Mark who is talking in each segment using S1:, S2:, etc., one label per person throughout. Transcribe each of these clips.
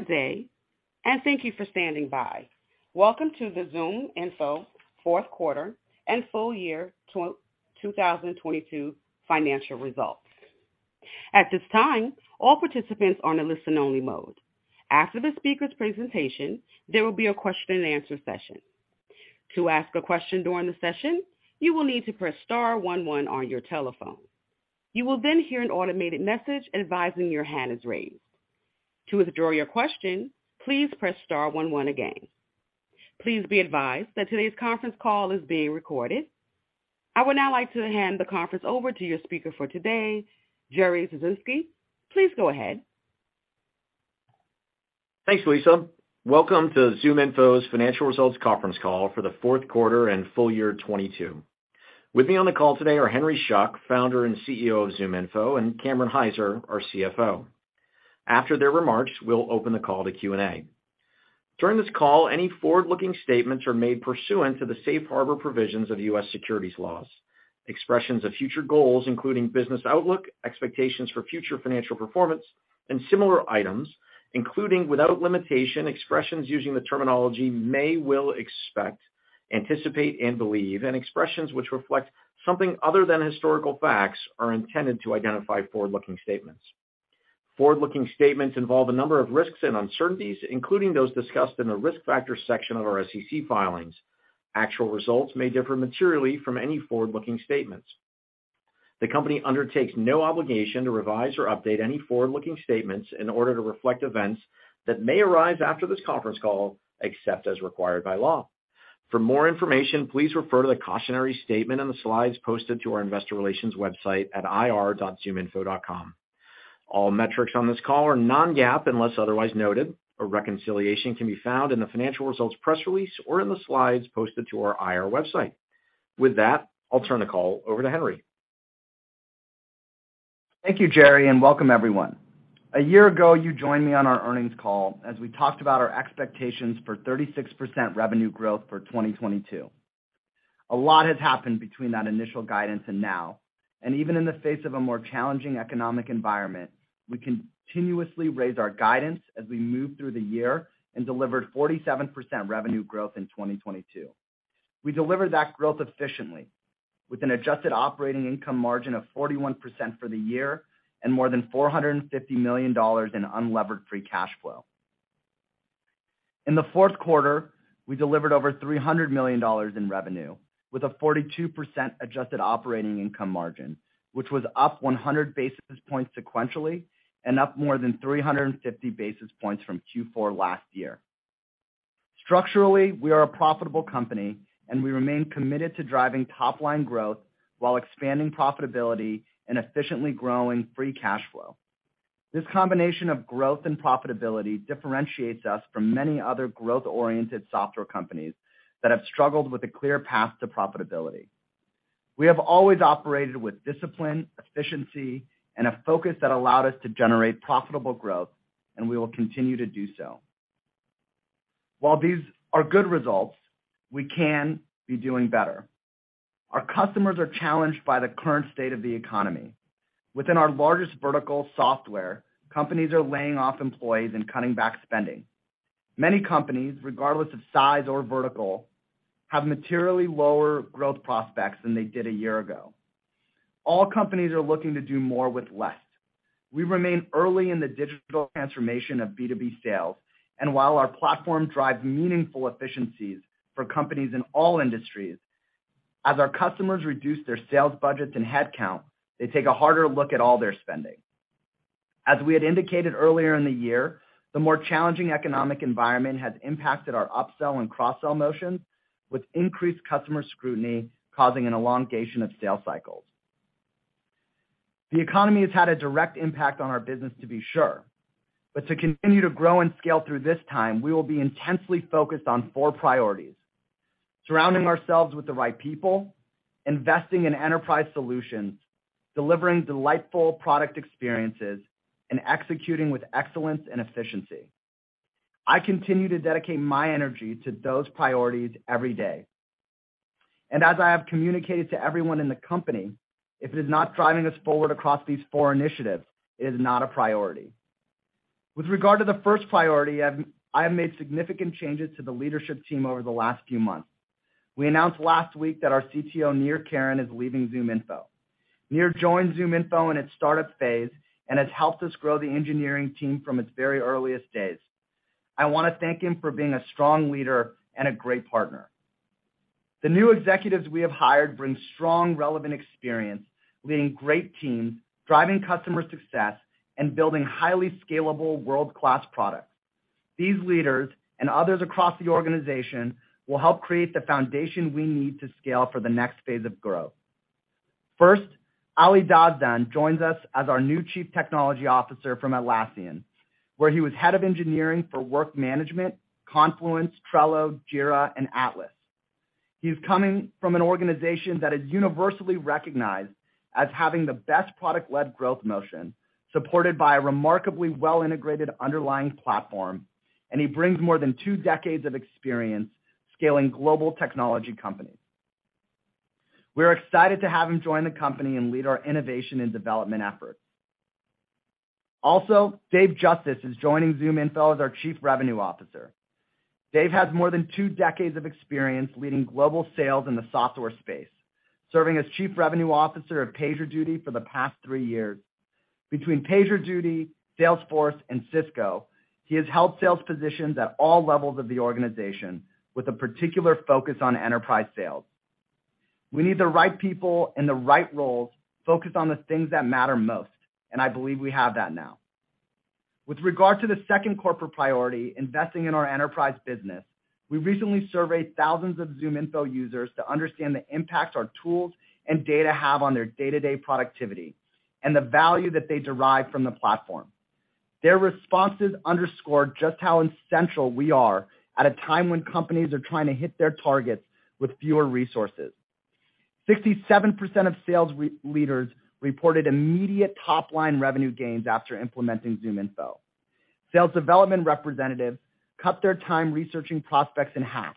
S1: Good day. Thank you for standing by. Welcome to the ZoomInfo Q4 and full year 2022 financial results. At this time, all participants are in a listen only mode. After the speaker's presentation, there will be a question and answer session. To ask a question during the session, you will need to press star one one on your telephone. You will then hear an automated message advising your hand is raised. To withdraw your question, please press star one one again. Please be advised that today's conference call is being recorded. I would now like to hand the conference over to your speaker for today, Jerzy Sisitsky. Please go ahead.
S2: Thanks, Lisa. Welcome to ZoomInfo's financial results conference call for the Q4 and full year 2022. With me on the call today are Henry Schuck, founder and CEO of ZoomInfo, and Cameron Hyzer, our CFO. After their remarks, we'll open the call to Q&A. During this call, any forward-looking statements are made pursuant to the safe harbor provisions of U.S. securities laws. Expressions of future goals, including business outlook, expectations for future financial performance and similar items, including without limitation expressions using the terminology may, will, expect, anticipate and believe, and expressions which reflect something other than historical facts are intended to identify forward-looking statements. Forward-looking statements involve a number of risks and uncertainties, including those discussed in the risk factors section of our SEC filings. Actual results may differ materially from any forward-looking statements. The company undertakes no obligation to revise or update any forward-looking statements in order to reflect events that may arise after this conference call, except as required by law. For more information, please refer to the cautionary statement on the slides posted to our investor relations website at ir.zoominfo.com. All metrics on this call are non-GAAP unless otherwise noted. A reconciliation can be found in the financial results press release or in the slides posted to our IR website. With that, I'll turn the call over to Henry.
S3: Thank you, Jerry. Welcome everyone. A year ago, you joined me on our earnings call as we talked about our expectations for 36% revenue growth for 2022. A lot has happened between that initial guidance and now, even in the face of a more challenging economic environment, we continuously raised our guidance as we moved through the year and delivered 47% revenue growth in 2022. We delivered that growth efficiently with an adjusted operating income margin of 41% for the year and more than $450 million in unlevered free cash flow. In the Q4, we delivered over $300 million in revenue with a 42% adjusted operating income margin, which was up 100 basis points sequentially and up more than 350 basis points from Q4 last year. Structurally, we are a profitable company and we remain committed to driving top line growth while expanding profitability and efficiently growing free cash flow. This combination of growth and profitability differentiates us from many other growth-oriented software companies that have struggled with a clear path to profitability. We have always operated with discipline, efficiency and a focus that allowed us to generate profitable growth, and we will continue to do so. While these are good results, we can be doing better. Our customers are challenged by the current state of the economy. Within our largest vertical software, companies are laying off employees and cutting back spending. Many companies, regardless of size or vertical, have materially lower growth prospects than they did a year ago. All companies are looking to do more with less. We remain early in the digital transformation of B2B sales, and while our platform drives meaningful efficiencies for companies in all industries, as our customers reduce their sales budgets and headcount, they take a harder look at all their spending. As we had indicated earlier in the year, the more challenging economic environment has impacted our upsell and cross-sell motions, with increased customer scrutiny causing an elongation of sales cycles. The economy has had a direct impact on our business, to be sure. To continue to grow and scale through this time, we will be intensely focused on four priorities, surrounding ourselves with the right people, investing in enterprise solutions, delivering delightful product experiences, and executing with excellence and efficiency. I continue to dedicate my energy to those priorities every day. As I have communicated to everyone in the company, if it is not driving us forward across these four initiatives, it is not a priority. With regard to the first priority, I have made significant changes to the leadership team over the last few months. We announced last week that our CTO, Nir Keren, is leaving ZoomInfo. Nir joined ZoomInfo in its startup phase and has helped us grow the engineering team from its very earliest days. I wanna thank him for being a strong leader and a great partner. The new executives we have hired bring strong relevant experience, leading great teams, driving customer success, and building highly scalable world-class products. These leaders and others across the organization will help create the foundation we need to scale for the next phase of growth. First, Ali Dastan joins us as our new Chief Technology Officer from Atlassian, where he was head of engineering for work management, Confluence, Trello, Jira and Atlas. He's coming from an organization that is universally recognized as having the best product-led growth motion, supported by a remarkably well integrated underlying platform, and he brings more than 2 decades of experience scaling global technology companies. We're excited to have him join the company and lead our innovation and development efforts. Also, Dave Justice is joining ZoomInfo as our Chief Revenue Officer. Dave has more than 2 decades of experience leading global sales in the software space, serving as Chief Revenue Officer of PagerDuty for the past three years. Between PagerDuty, Salesforce, and Cisco, he has held sales positions at all levels of the organization with a particular focus on enterprise sales. We need the right people in the right roles focused on the things that matter most, and I believe we have that now. With regard to the second corporate priority, investing in our enterprise business, we recently surveyed thousands of ZoomInfo users to understand the impact our tools and data have on their day-to-day productivity and the value that they derive from the platform. Their responses underscored just how essential we are at a time when companies are trying to hit their targets with fewer resources. 67% of sales re-leaders reported immediate top-line revenue gains after implementing ZoomInfo. Sales development representatives cut their time researching prospects in half.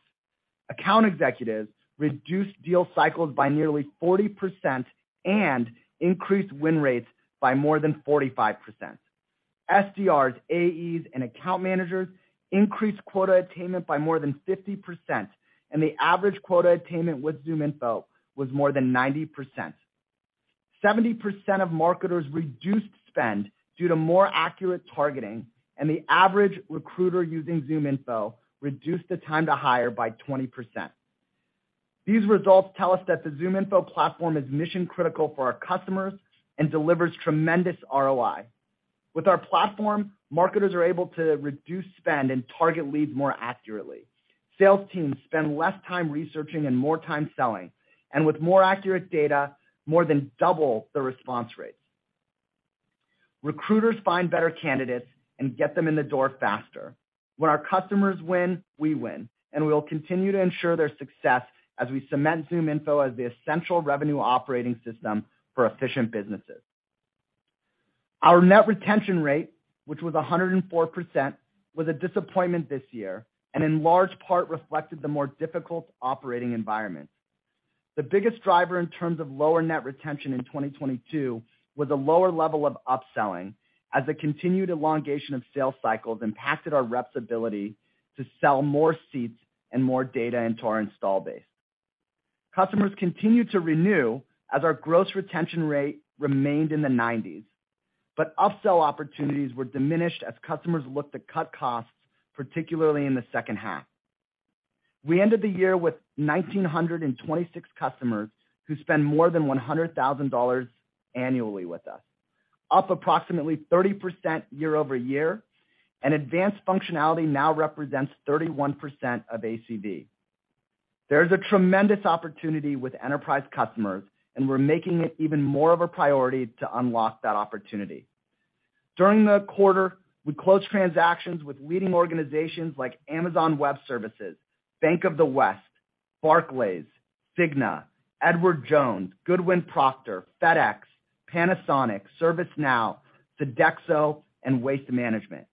S3: Account executives reduced deal cycles by nearly 40% and increased win rates by more than 45%. SDRs, AEs, and account managers increased quota attainment by more than 50%, the average quota attainment with ZoomInfo was more than 90%. 70% of marketers reduced spend due to more accurate targeting, the average recruiter using ZoomInfo reduced the time to hire by 20%. These results tell us that the ZoomInfo platform is mission-critical for our customers and delivers tremendous ROI. With our platform, marketers are able to reduce spend and target leads more accurately. Sales teams spend less time researching and more time selling, and with more accurate data, more than double the response rates. Recruiters find better candidates and get them in the door faster. When our customers win, we win, and we will continue to ensure their success as we cement ZoomInfo as the essential revenue operating system for efficient businesses. Our net retention rate, which was 104%, was a disappointment this year and in large part reflected the more difficult operating environment. The biggest driver in terms of lower net retention in 2022 was a lower level of upselling as the continued elongation of sales cycles impacted our reps' ability to sell more seats and more data into our install base. Customers continued to renew as our gross retention rate remained in the 90s, but upsell opportunities were diminished as customers looked to cut costs, particularly in the H2. We ended the year with 1,926 customers who spend more than $100,000 annually with us, up approximately 30% year-over-year, and advanced functionality now represents 31% of ACV. There is a tremendous opportunity with enterprise customers. We're making it even more of a priority to unlock that opportunity. During the quarter, we closed transactions with leading organizations like Amazon Web Services, Bank of the West, Barclays, Cigna, Edward Jones, Goodwin Procter, FedEx, Panasonic, ServiceNow, Sodexo, and Waste Management.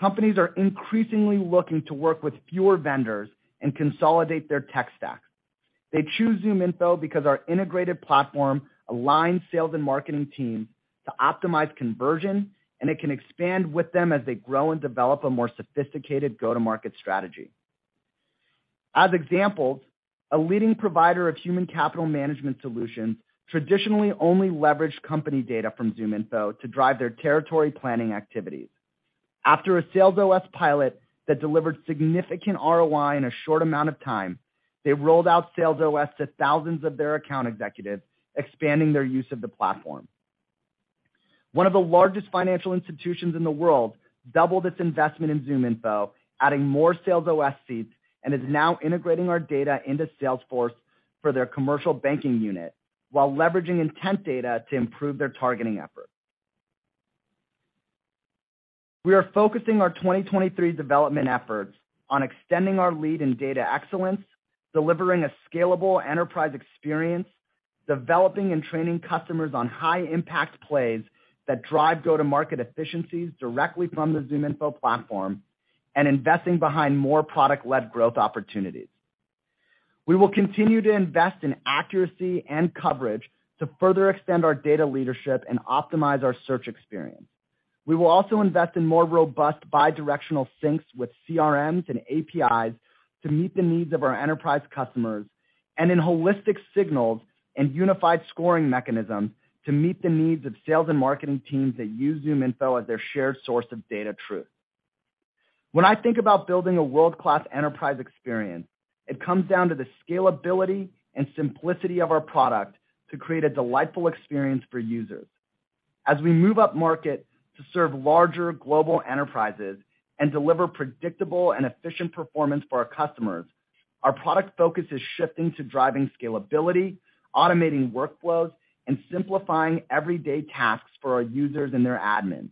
S3: Companies are increasingly looking to work with fewer vendors and consolidate their tech stacks. They choose ZoomInfo because our integrated platform aligns sales and marketing teams to optimize conversion, and it can expand with them as they grow and develop a more sophisticated go-to-market strategy. As examples, a leading provider of human capital management solutions traditionally only leveraged company data from ZoomInfo to drive their territory planning activities. After a SalesOS pilot that delivered significant ROI in a short amount of time, they rolled out SalesOS to thousands of their account executives, expanding their use of the platform. One of the largest financial institutions in the world doubled its investment in ZoomInfo, adding more SalesOS seats, and is now integrating our data into Salesforce for their commercial banking unit while leveraging intent data to improve their targeting efforts. We are focusing our 2023 development efforts on extending our lead in data excellence, delivering a scalable enterprise experience, developing and training customers on high-impact plays that drive go-to-market efficiencies directly from the ZoomInfo platform, and investing behind more product-led growth opportunities. We will continue to invest in accuracy and coverage to further extend our data leadership and optimize our search experience. We will also invest in more robust bi-directional syncs with CRMs and APIs to meet the needs of our enterprise customers and in holistic signals and unified scoring mechanisms to meet the needs of sales and marketing teams that use ZoomInfo as their shared source of data truth. When I think about building a world-class enterprise experience, it comes down to the scalability and simplicity of our product to create a delightful experience for users. As we move upmarket to serve larger global enterprises and deliver predictable and efficient performance for our customers, our product focus is shifting to driving scalability, automating workflows, and simplifying everyday tasks for our users and their admins.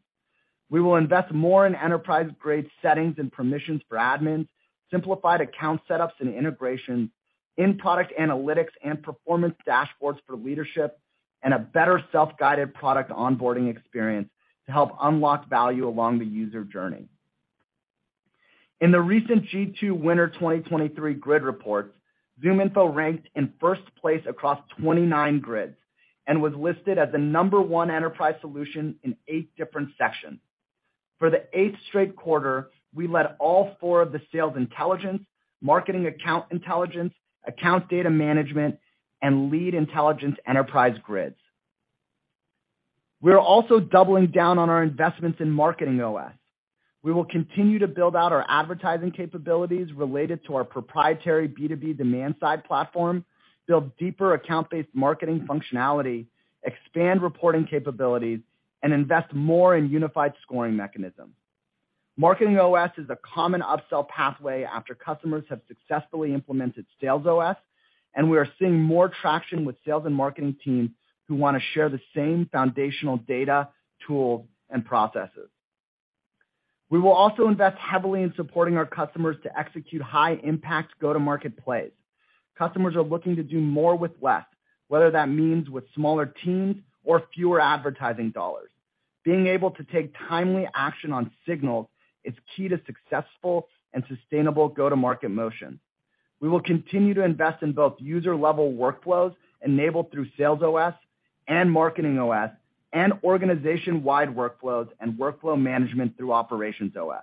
S3: We will invest more in enterprise-grade settings and permissions for admins, simplified account setups and integrations, in-product analytics and performance dashboards for leadership, and a better self-guided product onboarding experience to help unlock value along the user journey. In the recent G2 Winter 2023 Grid report, ZoomInfo ranked in first place across 29 grids and was listed as the number one enterprise solution in 8 different sections. For the eighth straight quarter, we led all 4 of the sales intelligence, marketing account intelligence, account data management, and lead intelligence enterprise grids. We are also doubling down on our investments in MarketingOS. We will continue to build out our advertising capabilities related to our proprietary B2B demand-side platform, build deeper account-based marketing functionality, expand reporting capabilities, and invest more in unified scoring mechanisms. MarketingOS is a common upsell pathway after customers have successfully implemented SalesOS, and we are seeing more traction with sales and marketing teams who want to share the same foundational data, tools, and processes. We will also invest heavily in supporting our customers to execute high-impact go-to-market plays. Customers are looking to do more with less, whether that means with smaller teams or fewer advertising dollars. Being able to take timely action on signals is key to successful and sustainable go-to-market motion. We will continue to invest in both user-level workflows enabled through SalesOS and MarketingOS, and organization-wide workflows and workflow management through OperationsOS.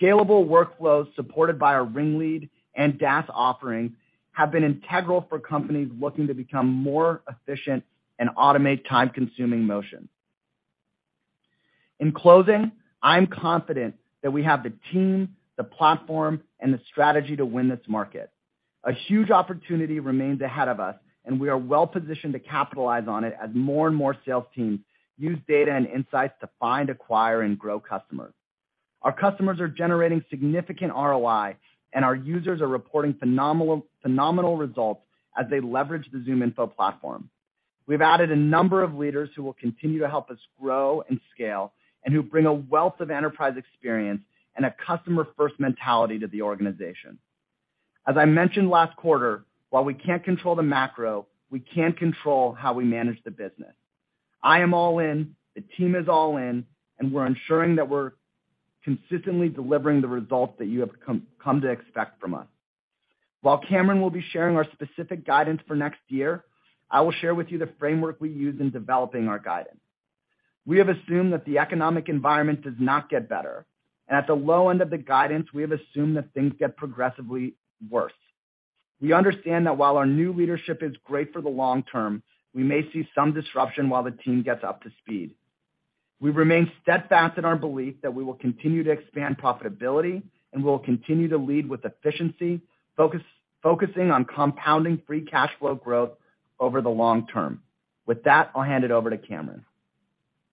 S3: Scalable workflows supported by our RingLead and DaaS offerings have been integral for companies looking to become more efficient and automate time-consuming motion. In closing, I'm confident that we have the team, the platform, and the strategy to win this market. A huge opportunity remains ahead of us. We are well-positioned to capitalize on it as more and more sales teams use data and insights to find, acquire, and grow customers. Our customers are generating significant ROI, and our users are reporting phenomenal results as they leverage the ZoomInfo platform. We've added a number of leaders who will continue to help us grow and scale and who bring a wealth of enterprise experience and a customer-first mentality to the organization. As I mentioned last quarter, while we can't control the macro, we can control how we manage the business. I am all in, the team is all in. We're ensuring that we're consistently delivering the results that you have come to expect from us. While Cameron will be sharing our specific guidance for next year, I will share with you the framework we use in developing our guidance. We have assumed that the economic environment does not get better. At the low end of the guidance, we have assumed that things get progressively worse. We understand that while our new leadership is great for the long term, we may see some disruption while the team gets up to speed. We remain steadfast in our belief that we will continue to expand profitability, and we will continue to lead with efficiency, focusing on compounding free cash flow growth over the long term. With that, I'll hand it over to Cameron.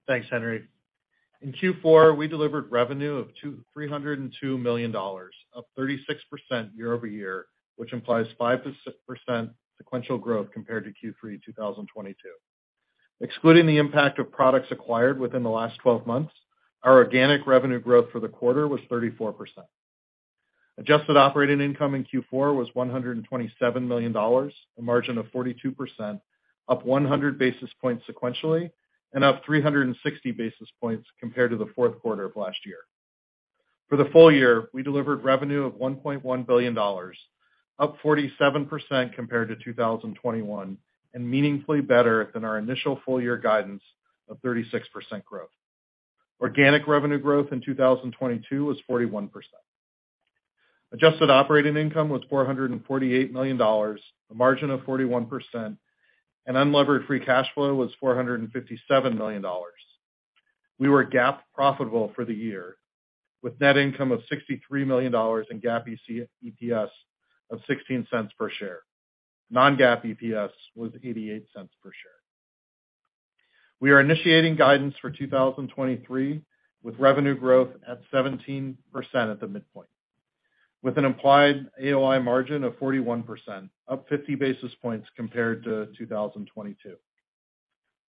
S4: Thanks, Henry. In Q4, we delivered revenue of $302 million, up 36% year-over-year, which implies 5% sequential growth compared to Q3 2022. Excluding the impact of products acquired within the last 12 months, our organic revenue growth for the quarter was 34%. Adjusted operating income in Q4 was $127 million, a margin of 42%, up 100 basis points sequentially, and up 360 basis points compared to the Q4 of last year. For the full year, we delivered revenue of $1.1 billion, up 47% compared to 2021, and meaningfully better than our initial full year guidance of 36% growth. Organic revenue growth in 2022 was 41%. Adjusted operating income was $448 million, a margin of 41%. Unlevered free cash flow was $457 million. We were GAAP profitable for the year, with net income of $63 million. GAAP EPS of $0.16 per share. Non-GAAP EPS was $0.88 per share. We are initiating guidance for 2023, with revenue growth at 17% at the midpoint, with an implied AOI margin of 41%, up 50 basis points compared to 2022.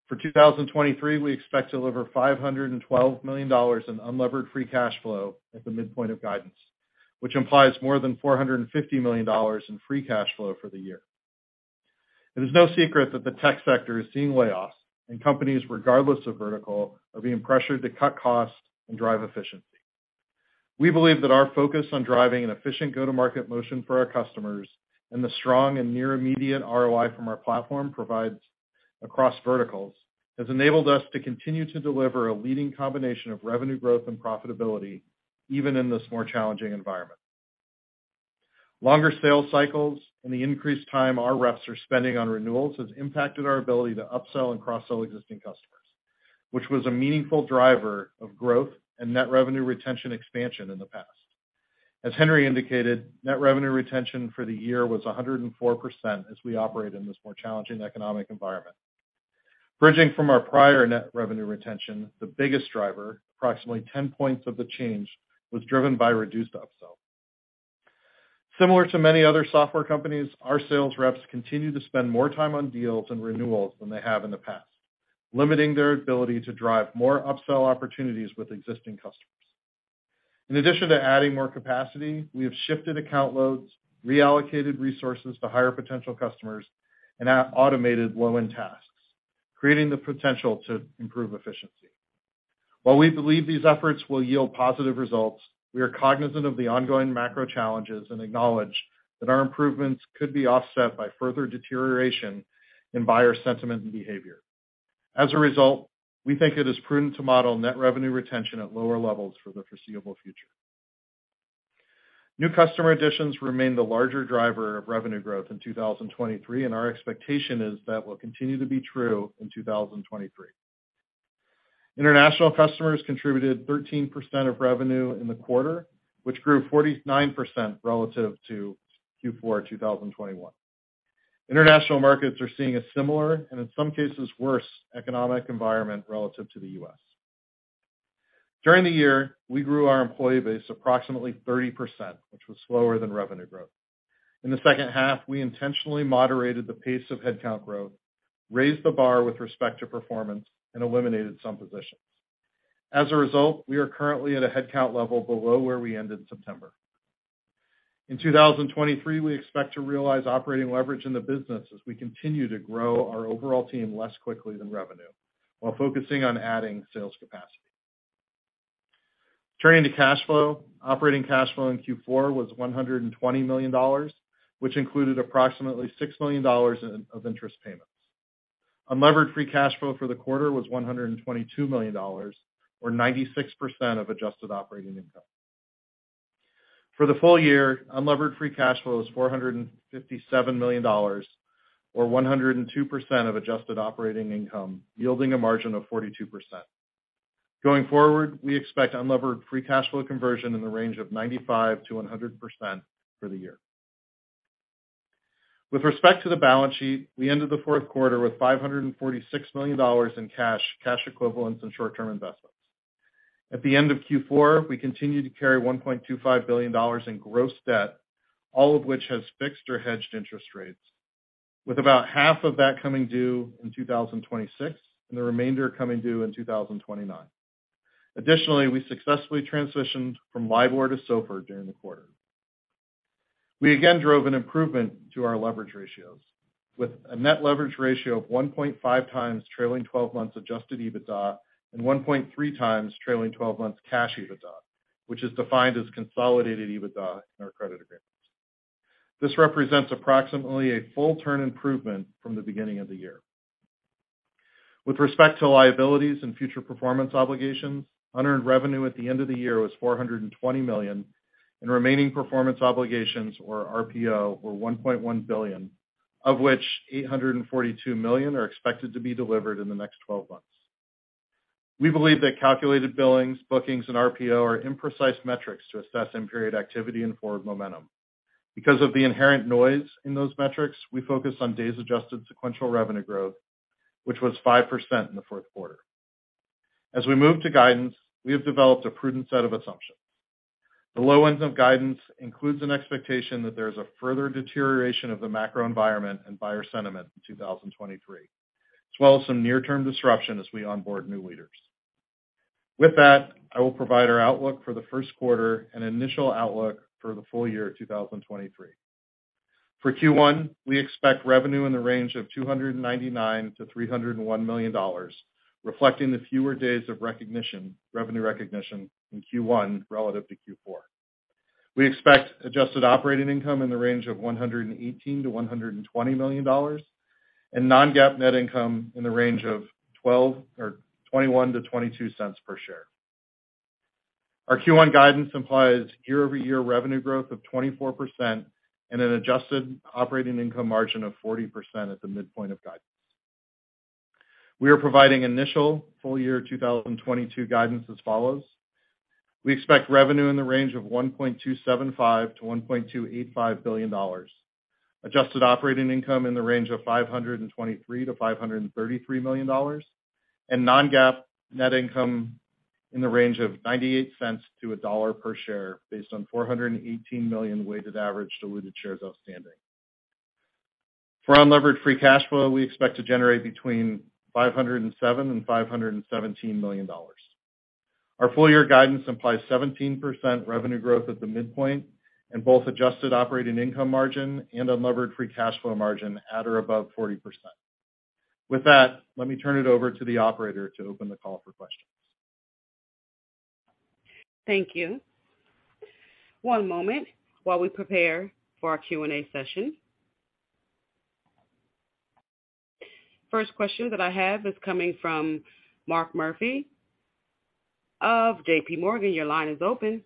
S4: For 2023, we expect to deliver $512 million in unlevered free cash flow at the midpoint of guidance, which implies more than $450 million in free cash flow for the year. It is no secret that the tech sector is seeing layoffs and companies, regardless of vertical, are being pressured to cut costs and drive efficiency. We believe that our focus on driving an efficient go-to-market motion for our customers and the strong and near immediate ROI from our platform provides across verticals has enabled us to continue to deliver a leading combination of revenue growth and profitability, even in this more challenging environment. Longer sales cycles and the increased time our reps are spending on renewals has impacted our ability to upsell and cross-sell existing customers, which was a meaningful driver of growth and net revenue retention expansion in the past. As Henry indicated, net revenue retention for the year was 104% as we operate in this more challenging economic environment. Bridging from our prior net revenue retention, the biggest driver, approximately 10 points of the change, was driven by reduced upsell. Similar to many other software companies, our sales reps continue to spend more time on deals and renewals than they have in the past, limiting their ability to drive more upsell opportunities with existing customers. In addition to adding more capacity, we have shifted account loads, reallocated resources to higher potential customers, and automated low-end tasks, creating the potential to improve efficiency. While we believe these efforts will yield positive results, we are cognizant of the ongoing macro challenges and acknowledge that our improvements could be offset by further deterioration in buyer sentiment and behavior. As a result, we think it is prudent to model net revenue retention at lower levels for the foreseeable future. New customer additions remain the larger driver of revenue growth in 2022. Our expectation is that will continue to be true in 2023. International customers contributed 13% of revenue in the quarter, which grew 49% relative to Q4 2021. International markets are seeing a similar, and in some cases worse, economic environment relative to the U.S. During the year, we grew our employee base approximately 30%, which was slower than revenue growth. In the H2, we intentionally moderated the pace of headcount growth, raised the bar with respect to performance, and eliminated some positions. As a result, we are currently at a headcount level below where we ended September. In 2023, we expect to realize operating leverage in the business as we continue to grow our overall team less quickly than revenue, while focusing on adding sales capacity. Turning to cash flow. Operating cash flow in Q4 was $120 million, which included approximately $6 million of interest payments. Unlevered free cash flow for the quarter was $122 million, or 96% of adjusted operating income. For the full year, unlevered free cash flow was $457 million, or 102% of adjusted operating income, yielding a margin of 42%. Going forward, we expect unlevered free cash flow conversion in the range of 95%-100% for the year. With respect to the balance sheet, we ended the Q4 with $546 million in cash equivalents, and short-term investments. At the end of Q4, we continued to carry $1.25 billion in gross debt, all of which has fixed or hedged interest rates, with about half of that coming due in 2026, and the remainder coming due in 2029. Additionally, we successfully transitioned from LIBOR to SOFR during the quarter. We again drove an improvement to our leverage ratios with a net leverage ratio of 1.5 times trailing twelve months adjusted EBITDA and 1.3 times trailing twelve months cash EBITDA, which is defined as consolidated EBITDA in our credit agreements. This represents approximately a full turn improvement from the beginning of the year. With respect to liabilities and future performance obligations, unearned revenue at the end of the year was $420 million, and remaining performance obligations, or RPO, were $1.1 billion, of which $842 million are expected to be delivered in the next 12 months. We believe that calculated billings, bookings, and RPO are imprecise metrics to assess in-period activity and forward momentum. Because of the inherent noise in those metrics, we focus on days adjusted sequential revenue growth, which was 5% in the Q4. We move to guidance, we have developed a prudent set of assumptions. The low ends of guidance includes an expectation that there is a further deterioration of the macro environment and buyer sentiment in 2023, as well as some near-term disruption as we onboard new leaders. With that, I will provide our outlook for the Q1 and initial outlook for the full year 2023. For Q1, we expect revenue in the range of $299 million-$301 million, reflecting the fewer days of recognition, revenue recognition in Q1 relative to Q4. We expect adjusted operating income in the range of $118 million-$120 million and non-GAAP net income in the range of twelve or $0.21-$0.22 per share. Our Q1 guidance implies year-over-year revenue growth of 24% and an adjusted operating income margin of 40% at the midpoint of guidance. We are providing initial full year 2022 guidance as follows. We expect revenue in the range of $1.275 billion-$1.285 billion, adjusted operating income in the range of $523 million-$533 million, and non-GAAP net income in the range of $0.98-$1.00 per share based on 418 million weighted average diluted shares outstanding. For unlevered free cash flow, we expect to generate between $507 million and $517 million. Our full year guidance implies 17% revenue growth at the midpoint and both adjusted operating income margin and unlevered free cash flow margin at or above 40%. With that, let me turn it over to the operator to open the call for questions.
S1: Thank you. One moment while we prepare for our Q&A session. First question that I have is coming from Mark Murphy of J.P. Morgan. Your line is open.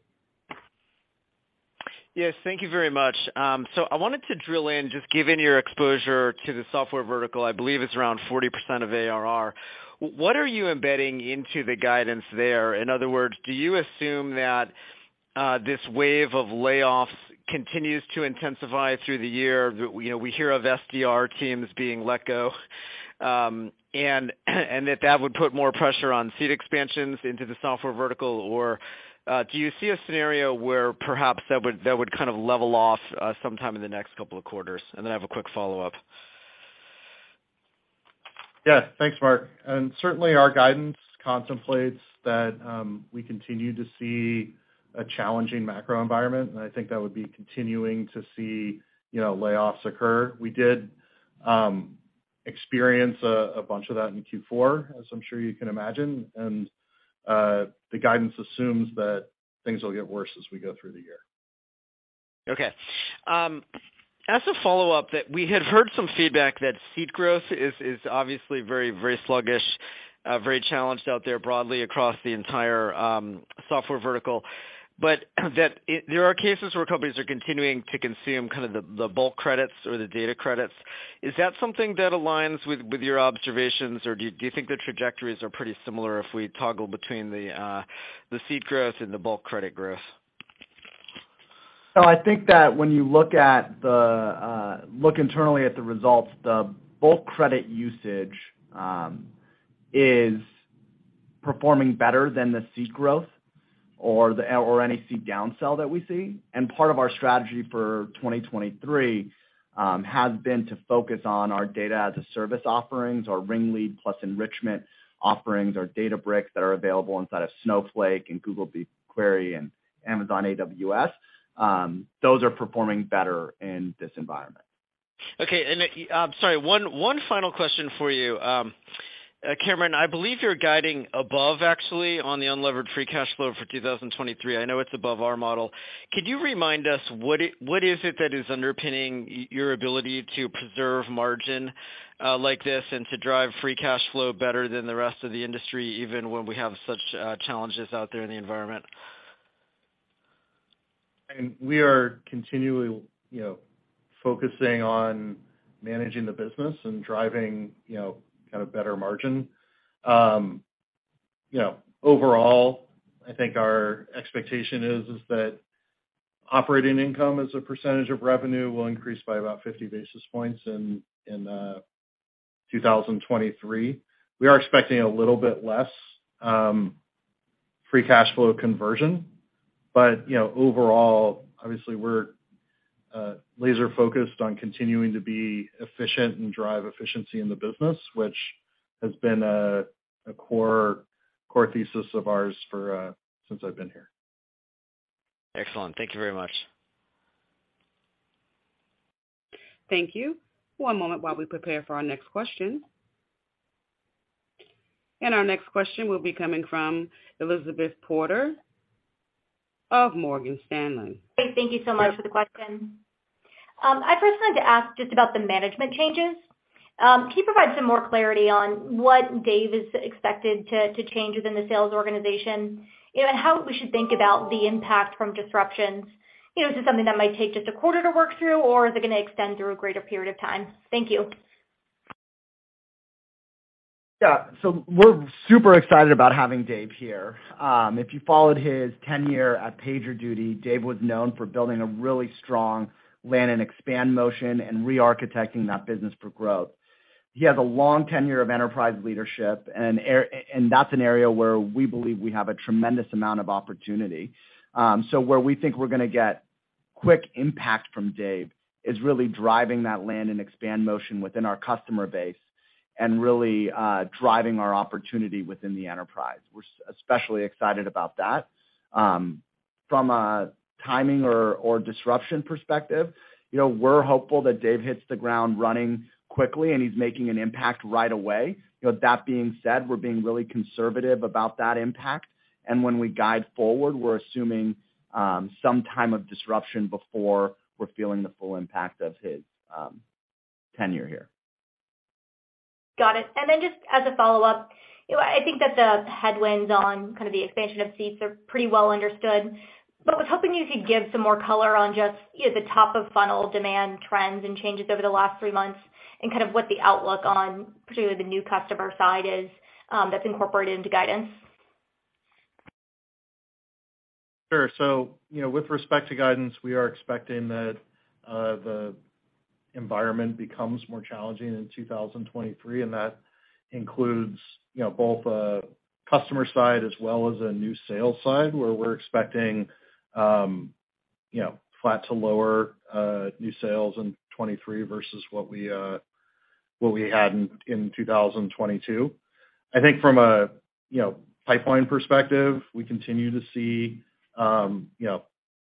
S5: Yes, thank you very much. I wanted to drill in just given your exposure to the software vertical, I believe it's around 40% of ARR. What are you embedding into the guidance there? In other words, do you assume that this wave of layoffs continues to intensify through the year? You know, we hear of SDR teams being let go, and that would put more pressure on seat expansions into the software vertical or do you see a scenario where perhaps that would kind of level off sometime in the next couple of quarters? Then I have a quick follow-up.
S4: Yes. Thanks, Mark. Certainly our guidance contemplates that we continue to see a challenging macro environment, and I think that would be continuing to see, you know, layoffs occur. We did experience a bunch of that in Q4, as I'm sure you can imagine. The guidance assumes that things will get worse as we go through the year.
S5: As a follow-up that we had heard some feedback that seat growth is obviously very, very sluggish, very challenged out there broadly across the entire software vertical, but that there are cases where companies are continuing to consume kind of the bulk credits or the data credits. Is that something that aligns with your observations? Or do you think the trajectories are pretty similar if we toggle between the seat growth and the bulk credit growth?
S3: I think that when you look at the look internally at the results, the bulk credit usage is performing better than the seat growth or any seat down sell that we see. Part of our strategy for 2023 has been to focus on our Data as a Service offerings, our RingLead plus enrichment offerings, our Databricks that are available inside of Snowflake and Google BigQuery and Amazon AWS. Those are performing better in this environment.
S5: Okay. sorry, one final question for you. Cameron, I believe you're guiding above actually on the unlevered free cash flow for 2023. I know it's above our model. Could you remind us what is it that is underpinning your ability to preserve margin like this and to drive free cash flow better than the rest of the industry, even when we have such challenges out there in the environment?
S4: I mean, we are continually, you know, focusing on managing the business and driving, you know, kind of better margin. You know, overall, I think our expectation is that operating income as a percentage of revenue will increase by about 50 basis points in 2023. We are expecting a little bit less free cash flow conversion. You know, overall, obviously we're laser-focused on continuing to be efficient and drive efficiency in the business, which has been a core thesis of ours since I've been here.
S5: Excellent. Thank you very much.
S1: Thank you. One moment while we prepare for our next question. Our next question will be coming from Elizabeth Porter of Morgan Stanley.
S6: Thank you so much for the question. I first wanted to ask just about the management changes. Can you provide some more clarity on what Dave is expected to change within the sales organization? You know, how we should think about the impact from disruptions. You know, is this something that might take just a quarter to work through, or is it gonna extend through a greater period of time? Thank you.
S3: Yeah. We're super excited about having Dave here. If you followed his tenure at PagerDuty, Dave was known for building a really strong land and expand motion and re-architecting that business for growth. He has a long tenure of enterprise leadership and that's an area where we believe we have a tremendous amount of opportunity. Where we think we're gonna get quick impact from Dave is really driving that land and expand motion within our customer base and really driving our opportunity within the enterprise. We're especially excited about that. From a timing or disruption perspective, you know, we're hopeful that Dave hits the ground running quickly, and he's making an impact right away. You know, that being said, we're being really conservative about that impact. When we guide forward, we're assuming some time of disruption before we're feeling the full impact of his tenure here.
S6: Got it. Then just as a follow-up, you know, I think that the headwinds on kind of the expansion of seats are pretty well understood, but I was hoping you could give some more color on just, you know, the top of funnel demand trends and changes over the last 3 months and kind of what the outlook on particularly the new customer side is, that's incorporated into guidance.
S4: Sure. You know, with respect to guidance, we are expecting that the environment becomes more challenging in 2023. That includes, you know, both a customer side as well as a new sales side, where we're expecting, you know, flat to lower new sales in 2023 versus what we had in 2022. I think from a, you know, pipeline perspective, we continue to see, you know,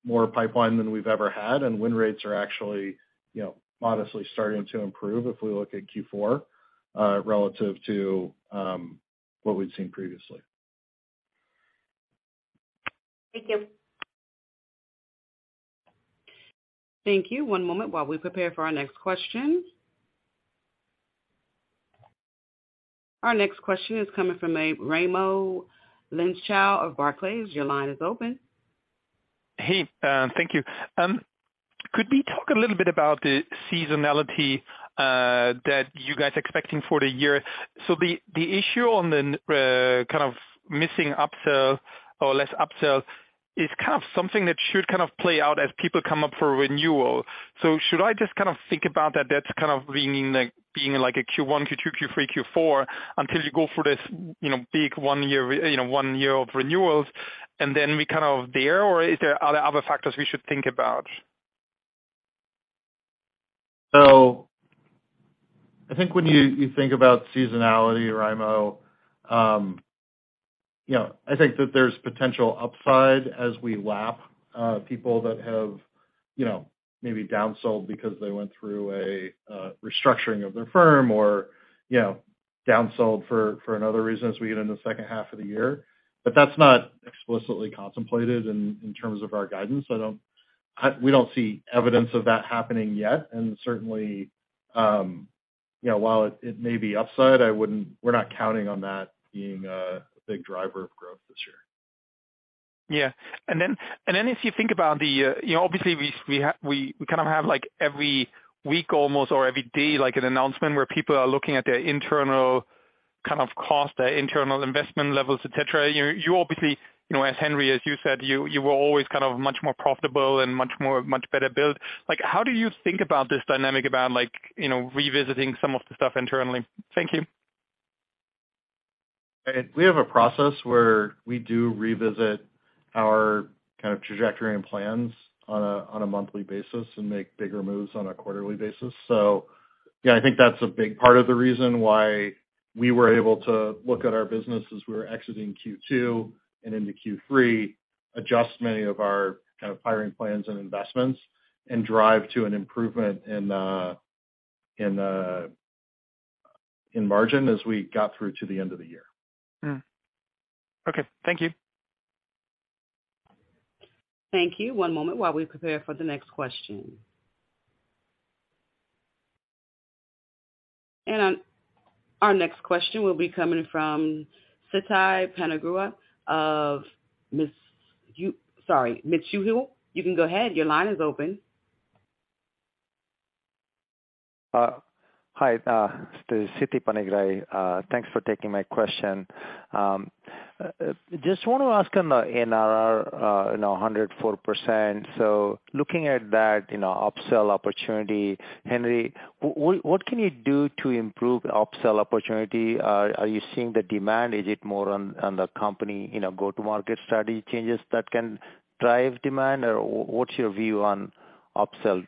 S4: more pipeline than we've ever had, and win rates are actually, you know, modestly starting to improve if we look at Q4, relative to what we'd seen previously.
S6: Thank you.
S1: Thank you. One moment while we prepare for our next question. Our next question is coming from a Raimo Lenschow of Barclays. Your line is open.
S7: Hey, thank you. Could we talk a little bit about the seasonality that you guys are expecting for the year? The issue on the kind of missing upsell or less upsell is kind of something that should kind of play out as people come up for renewal. Should I just kind of think about that that's kind of leaning, like, being like a Q1, Q2, Q3, Q4 until you go for this, you know, big one year, you know, one year of renewals, and then we kind of there, or is there other factors we should think about?
S4: I think when you think about seasonality, Raimo. You know, I think that there's potential upside as we lap people that have, you know, maybe down sold because they went through a restructuring of their firm or, you know, down sold for another reason as we get into the H2 of the year. That's not explicitly contemplated in terms of our guidance. We don't see evidence of that happening yet, and certainly, you know, while it may be upside, we're not counting on that being a big driver of growth this year.
S7: Yeah. Then if you think about the, you know, obviously we kind of have like every week almost or every day, like an announcement where people are looking at their internal kind of cost, their internal investment levels, et cetera. You know, you obviously, you know, as Henry, as you said, you were always kind of much more profitable and much more, much better built. Like, how do you think about this dynamic about like, you know, revisiting some of the stuff internally? Thank you.
S4: We have a process where we do revisit our kind of trajectory and plans on a monthly basis and make bigger moves on a quarterly basis. Yeah, I think that's a big part of the reason why we were able to look at our business as we were exiting Q2 and into Q3, adjust many of our kind of hiring plans and investments and drive to an improvement in margin as we got through to the end of the year.
S7: Mm-hmm. Okay. Thank you.
S1: Thank you. One moment while we prepare for the next question. Our next question will be coming from Siti Panigrahi of Sorry, Mizuho. You can go ahead. Your line is open.
S8: Hi, this is Siti Panigrahi. Thanks for taking my question. Just want to ask on the NRR, you know, 104%. Looking at that, you know, upsell opportunity, Henry, what can you do to improve upsell opportunity? Are you seeing the demand? Is it more on the company, you know, go-to-market strategy changes that can drive demand? What's your view on upsell,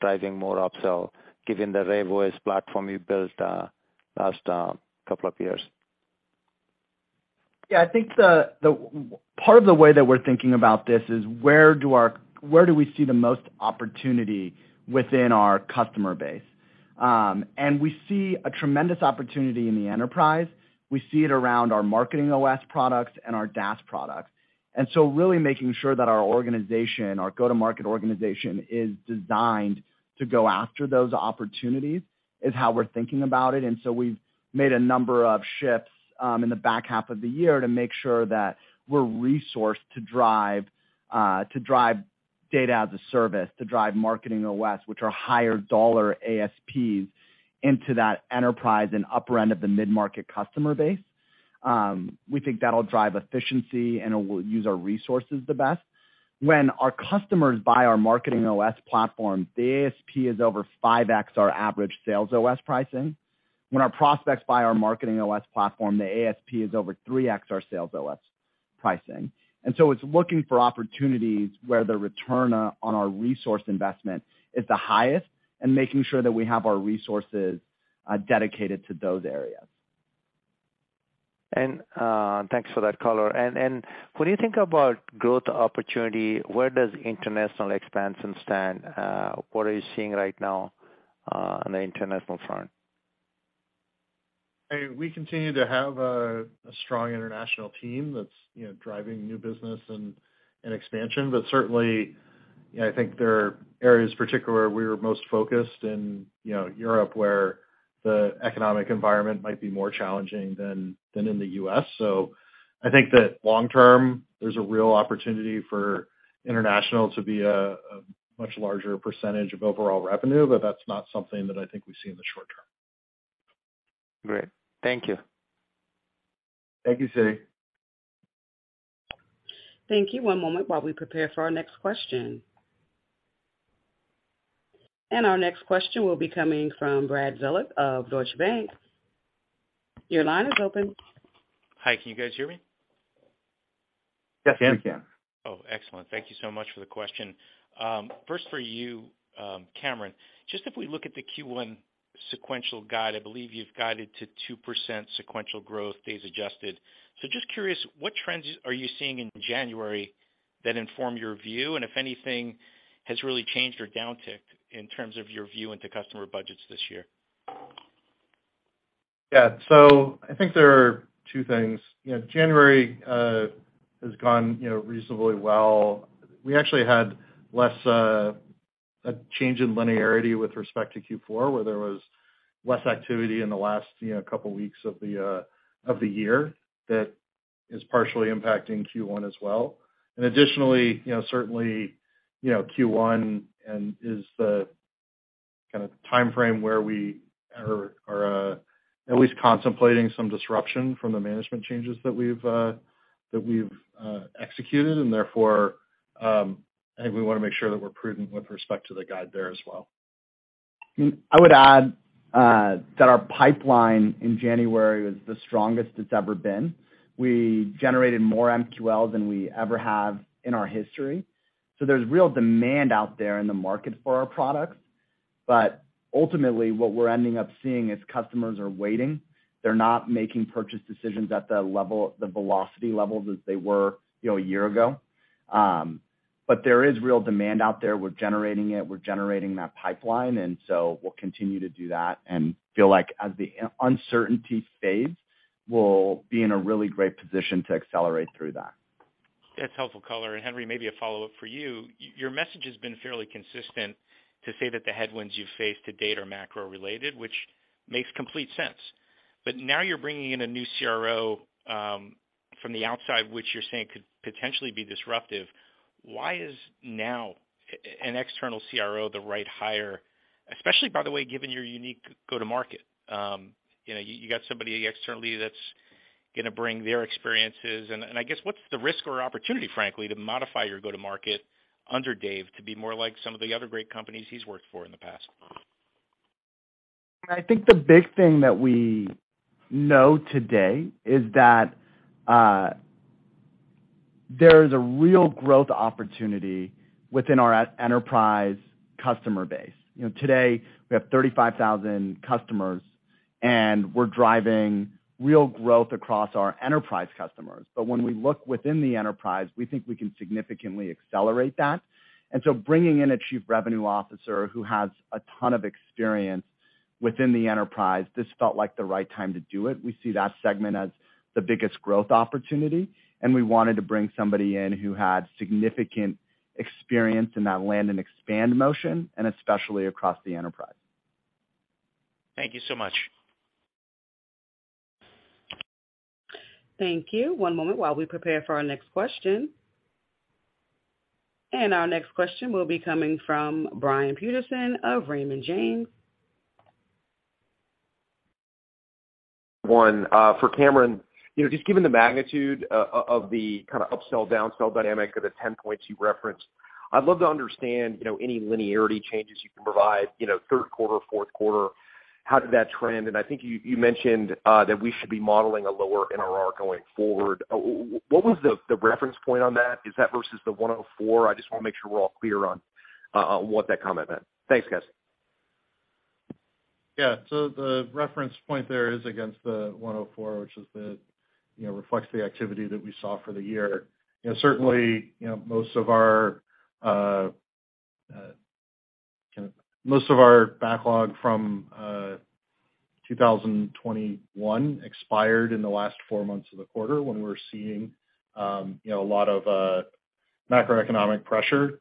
S8: driving more upsell given the RevOS platform you built last couple of years?
S3: I think Part of the way that we're thinking about this is where do we see the most opportunity within our customer base? We see a tremendous opportunity in the enterprise. We see it around our MarketingOS products and our DaaS products. really making sure that our organization, our go-to-market organization, is designed to go after those opportunities is how we're thinking about it. we've made a number of shifts in the back half of the year to make sure that we're resourced to drive Data as a Service, to drive MarketingOS, which are higher dollar ASPs into that enterprise and upper end of the mid-market customer base. we think that'll drive efficiency, and it will use our resources the best. When our customers buy our MarketingOS platform, the ASP is over 5x our average SalesOS pricing. When our prospects buy our MarketingOS platform, the ASP is over 3x our SalesOS pricing. It's looking for opportunities where the return on our resource investment is the highest and making sure that we have our resources dedicated to those areas.
S8: Thanks for that color. When you think about growth opportunity, where does international expansion stand? What are you seeing right now on the international front?
S4: Hey, we continue to have a strong international team that's, you know, driving new business and expansion. Certainly, you know, I think there are areas particularly where we're most focused in, you know, Europe, where the economic environment might be more challenging than in the U.S. I think that long term, there's a real opportunity for international to be a much larger % of overall revenue, but that's not something that I think we see in the short term.
S8: Great. Thank you.
S4: Thank you, Sit.
S1: Thank you. One moment while we prepare for our next question. Our next question will be coming from Brad Zelnick of Deutsche Bank. Your line is open.
S9: Hi. Can you guys hear me?
S4: Yes, we can.
S3: Yes.
S9: Oh, excellent. Thank you so much for the question. First for you, Cameron, just if we look at the Q1 sequential guide, I believe you've guided to 2% sequential growth, days adjusted. Just curious, what trends are you seeing in January that inform your view and if anything has really changed or downticked in terms of your view into customer budgets this year?
S4: Yeah. I think there are two things. You know, January, you know, has gone reasonably well. We actually had less a change in linearity with respect to Q4, where there was less activity in the last, you know, couple weeks of the of the year that is partially impacting Q1 as well. Additionally, you know, certainly, you know, Q1 is the kinda timeframe where we are at least contemplating some disruption from the management changes that we've executed. Therefore, I think we wanna make sure that we're prudent with respect to the guide there as well.
S3: I would add that our pipeline in January was the strongest it's ever been. We generated more MQLs than we ever have in our history. There's real demand out there in the market for our products. Ultimately, what we're ending up seeing is customers are waiting. They're not making purchase decisions at the level, the velocity levels as they were, you know, a year ago. There is real demand out there. We're generating it, we're generating that pipeline. We'll continue to do that and feel like as the uncertainty fades, we'll be in a really great position to accelerate through that.
S9: That's helpful color. Henry, maybe a follow-up for you. Your message has been fairly consistent to say that the headwinds you face to date are macro-related, which makes complete sense. Now you're bringing in a new CRO from the outside, which you're saying could potentially be disruptive. Why is now an external CRO the right hire, especially, by the way, given your unique go-to market? You know, you got somebody externally that's gonna bring their experiences. I guess what's the risk or opportunity, frankly, to modify your go-to market under Dave to be more like some of the other great companies he's worked for in the past?
S3: I think the big thing that we know today is that, there is a real growth opportunity within our enterprise customer base. You know, today we have 35,000 customers, and we're driving real growth across our enterprise customers. When we look within the enterprise, we think we can significantly accelerate that. Bringing in a Chief Revenue Officer who has a ton of experience within the enterprise, this felt like the right time to do it. We see that segment as the biggest growth opportunity, and we wanted to bring somebody in who had significant experience in that land and expand motion, and especially across the enterprise.
S9: Thank you so much.
S1: Thank you. One moment while we prepare for our next question. Our next question will be coming from Brian Peterson of Raymond James.
S10: One, for Cameron. You know, just given the magnitude of the kinda upsell, downsell dynamic of the 10 point you referenced, I'd love to understand, you know, any linearity changes you can provide, you know, Q3, Q4, how did that trend? I think you mentioned that we should be modeling a lower NRR going forward. What was the reference point on that? Is that versus the 104? I just wanna make sure we're all clear on what that comment meant. Thanks, guys.
S4: Yeah. The reference point there is against the 104, which is the, you know, reflects the activity that we saw for the year. You know, certainly, you know, most of our most of our backlog from 2021 expired in the last 4 months of the quarter when we're seeing, you know, a lot of macroeconomic pressure.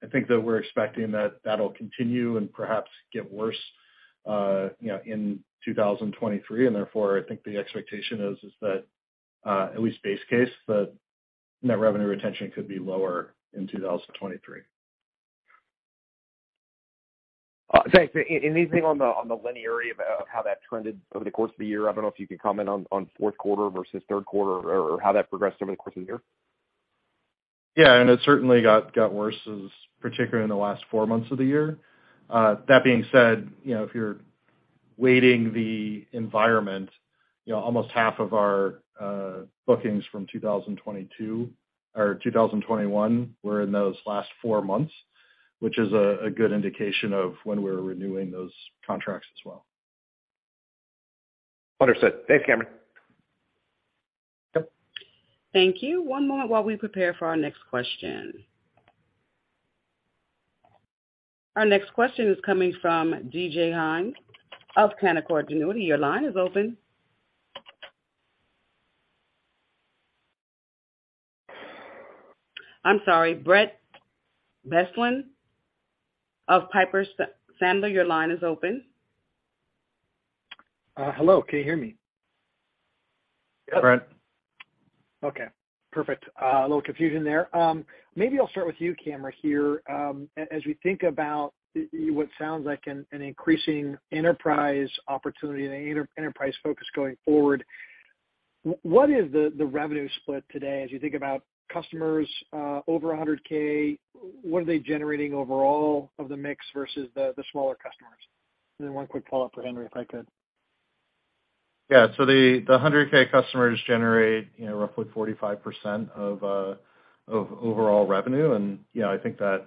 S4: I think that we're expecting that that'll continue and perhaps get worse, you know, in 2023. Therefore, I think the expectation is that, at least base case, the NRR could be lower in 2023.
S10: Thanks. Anything on the linearity of how that trended over the course of the year? I don't know if you could comment on Q4 versus Q3 or how that progressed over the course of the year.
S4: Yeah. It certainly got worse, particularly in the last four months of the year. That being said, you know, if you're weighting the environment, you know, almost half of our bookings from 2022 or 2021 were in those last four months, which is a good indication of when we're renewing those contracts as well.
S10: Understood. Thanks, Cameron.
S4: Yep.
S1: Thank you. One moment while we prepare for our next question. Our next question is coming from D.J. Hynes of Canaccord Genuity. Your line is open. I'm sorry, Brent Bracelin of Piper Sandler, your line is open.
S11: Hello, can you hear me?
S4: Brent.
S11: Okay, perfect. A little confusion there. Maybe I'll start with you, Cameron, here. As we think about what sounds like an increasing enterprise opportunity and an enterprise focus going forward, what is the revenue split today as you think about customers over 100K? What are they generating overall of the mix versus the smaller customers? One quick follow-up for Henry, if I could.
S4: Yeah. The 100K customers generate, you know, roughly 45% of overall revenue. Yeah, I think that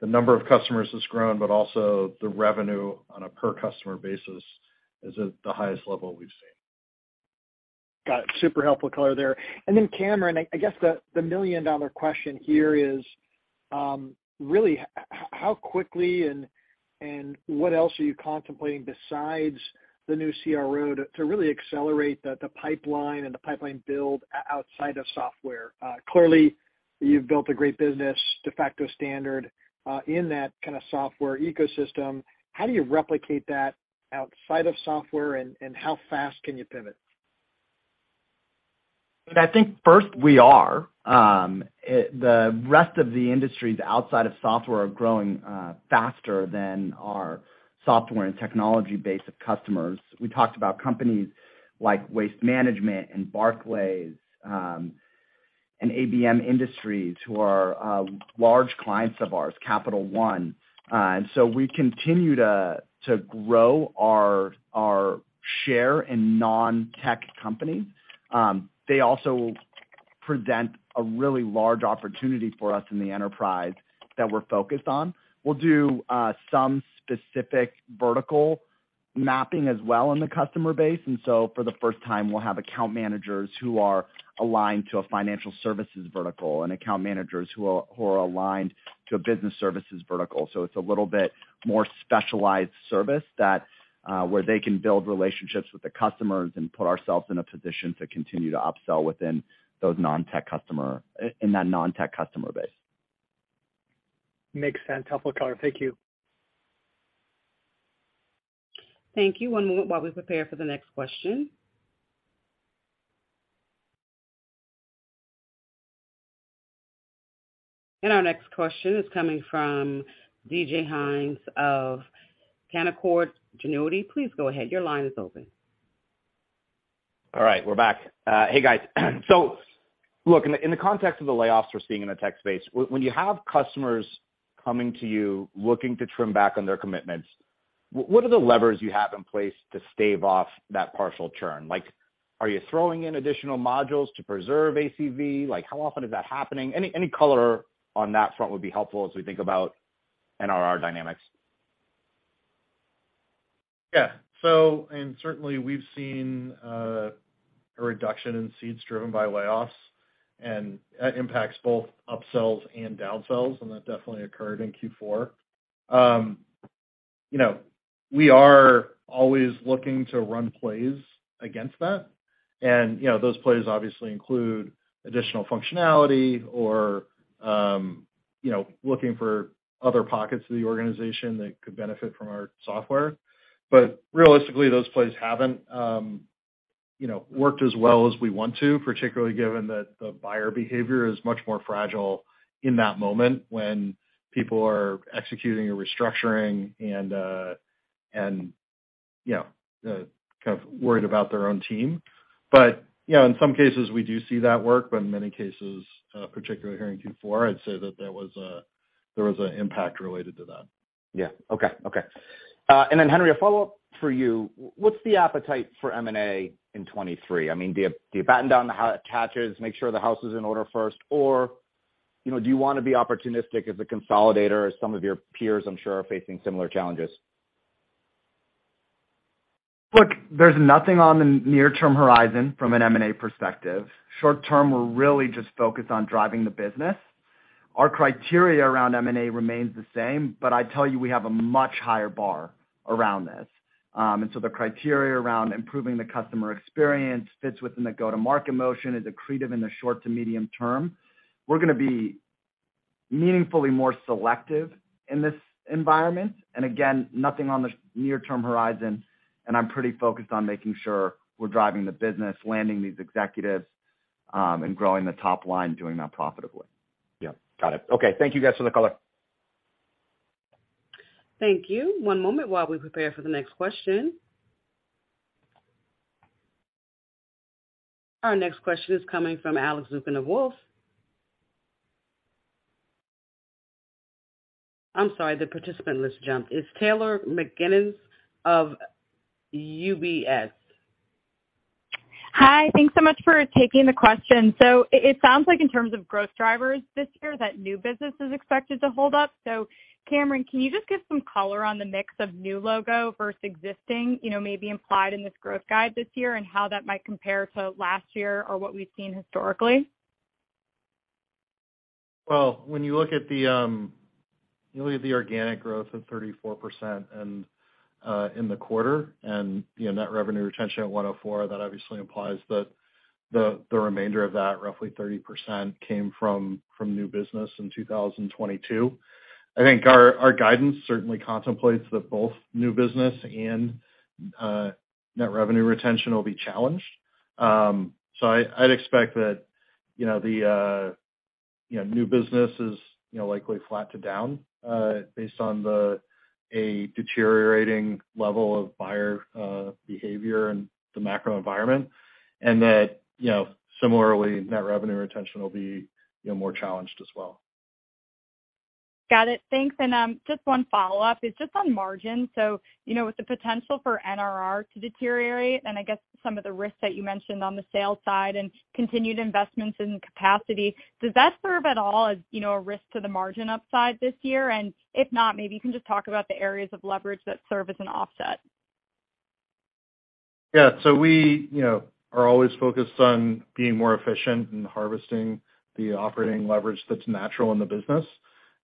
S4: the number of customers has grown, but also the revenue on a per customer basis is at the highest level we've seen.
S11: Got it. Super helpful color there. Cameron, I guess the $1 million question here is, really how quickly and what else are you contemplating besides the new CRO to really accelerate the pipeline and the pipeline build outside of software? Clearly you've built a great business de facto standard in that kind of software ecosystem. How do you replicate that outside of software and how fast can you pivot?
S3: I think first we are, the rest of the industries outside of software are growing faster than our software and technology base of customers. We talked about companies like Waste Management and Barclays, and ABM Industries who are large clients of ours, Capital One. So we continue to grow our share in non-tech company. They also present a really large opportunity for us in the enterprise that we're focused on. We'll do some specific vertical mapping as well in the customer base. So for the first time, we'll have account managers who are aligned to a financial services vertical and account managers who are aligned to a business services vertical it's a little bit more specialized service that, where they can build relationships with the customers and put ourselves in a position to continue to upsell within that non-tech customer base.
S11: Makes sense. Helpful color. Thank you.
S1: Thank you. One moment while we prepare for the next question. Our next question is coming from DJ Hynes of Canaccord Genuity. Please go ahead. Your line is open.
S12: All right, we're back. Hey, guys. Look, in the context of the layoffs we're seeing in the tech space, when you have customers coming to you looking to trim back on their commitments, what are the levers you have in place to stave off that partial churn? Like, are you throwing in additional modules to preserve ACV? Like, how often is that happening? Any color on that front would be helpful as we think about NRR dynamics.
S4: Yeah. certainly we've seen a reduction in seats driven by layoffs, and that impacts both upsells and downsells, and that definitely occurred in Q4. you know, we are always looking to run plays against that. those plays obviously include additional functionality or, you know, looking for other pockets of the organization that could benefit from our software. Realistically, those plays haven't, you know, worked as well as we want to, particularly given that the buyer behavior is much more fragile in that moment when people are executing a restructuring and, you know, kind of worried about their own team. you know, in some cases, we do see that work, but in many cases, particularly here in Q4, I'd say that there was an impact related to that.
S12: Yeah. Okay. Okay. Then Henry, a follow-up for you. What's the appetite for M&A in 23? I mean, do you batten down the hatches, make sure the house is in order first, or, you know, do you wanna be opportunistic as a consolidator, as some of your peers, I'm sure, are facing similar challenges?
S3: Look, there's nothing on the near-term horizon from an M&A perspective. Short term, we're really just focused on driving the business. Our criteria around M&A remains the same. I tell you, we have a much higher bar around this. The criteria around improving the customer experience fits within the go-to-market motion is accretive in the short to medium term. We're gonna be meaningfully more selective in this environment. Nothing on the near-term horizon. I'm pretty focused on making sure we're driving the business, landing these executives, and growing the top line, doing that profitably.
S12: Yeah. Got it. Okay. Thank you guys for the color.
S1: Thank you. One moment while we prepare for the next question. Our next question is coming from Alex Zukin of Wolfe. I'm sorry, the participant list jumped. It's Taylor McGinnis of UBS.
S13: Hi. Thanks so much for taking the question. It sounds like in terms of growth drivers this year, that new business is expected to hold up. Cameron, can you just give some color on the mix of new logo versus existing, you know, maybe implied in this growth guide this year and how that might compare to last year or what we've seen historically?
S4: Well, when you look at the, you look at the organic growth of 34% and in the quarter and, you know, Net Revenue Retention at 104%, that obviously implies that the remainder of that, roughly 30%, came from new business in 2022. I think our guidance certainly contemplates that both new business and Net Revenue Retention will be challenged. So I'd expect that, you know, new business is, you know, likely flat to down, based on a deteriorating level of buyer behavior and the macro environment. Similarly, Net Revenue Retention will be, you know, more challenged as well.
S13: Got it. Thanks. Just one follow-up. It's just on margin. You know, with the potential for NRR to deteriorate and I guess some of the risks that you mentioned on the sales side and continued investments in capacity, does that serve at all as, you know, a risk to the margin upside this year? If not, maybe you can just talk about the areas of leverage that serve as an offset.
S4: Yeah. We, you know, are always focused on being more efficient and harvesting the operating leverage that's natural in the business.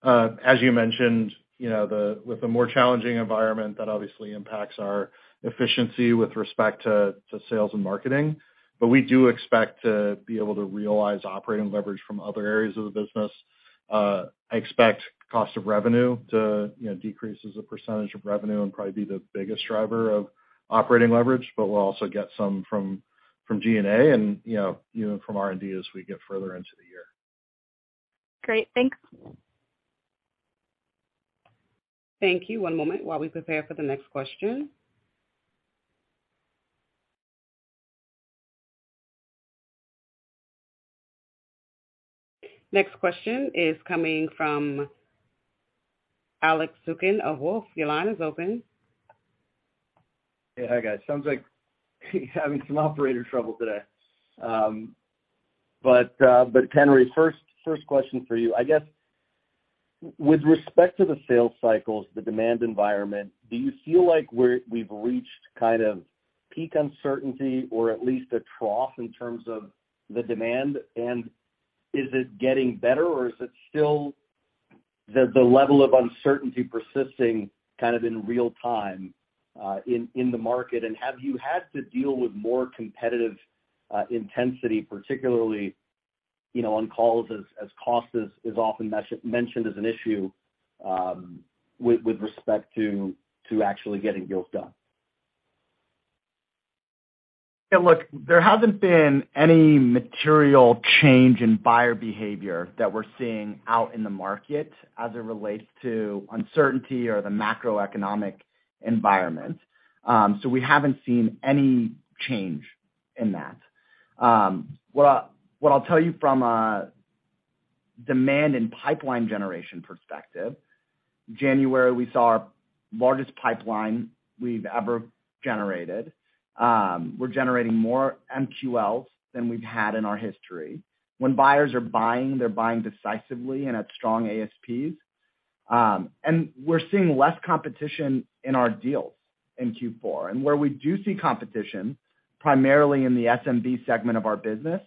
S4: As you mentioned, you know, with a more challenging environment, that obviously impacts our efficiency with respect to sales and marketing. We do expect to be able to realize operating leverage from other areas of the business. I expect cost of revenue to, you know, decrease as a percentage of revenue and probably be the biggest driver of operating leverage, but we'll also get some from G&A and, from R&D as we get further into the year.
S13: Great. Thanks.
S1: Thank you. One moment while we prepare for the next question. Next question is coming from Alex Zukin of Wolfe. Your line is open.
S14: Yeah. Hi guys. Sounds like having some operator trouble today. Henry, first question for you. I guess with respect to the sales cycles, the demand environment, do you feel like we've reached kind of peak uncertainty or at least a trough in terms of the demand? Is it getting better or is it still the level of uncertainty persisting kind of in real-time in the market? Have you had to deal with more competitive intensity, particularly, you know, on calls as cost is often mentioned as an issue with respect to actually getting deals done?
S3: Yeah, look, there hasn't been any material change in buyer behavior that we're seeing out in the market as it relates to uncertainty or the macroeconomic environment. We haven't seen any change in that. What I, what I'll tell you from a demand and pipeline generation perspective, January, we saw our largest pipeline we've ever generated. We're generating more MQLs than we've had in our history. When buyers are buying, they're buying decisively and at strong ASPs. We're seeing less competition in our deals in Q4. Where we do see competition, primarily in the SMB segment of our business,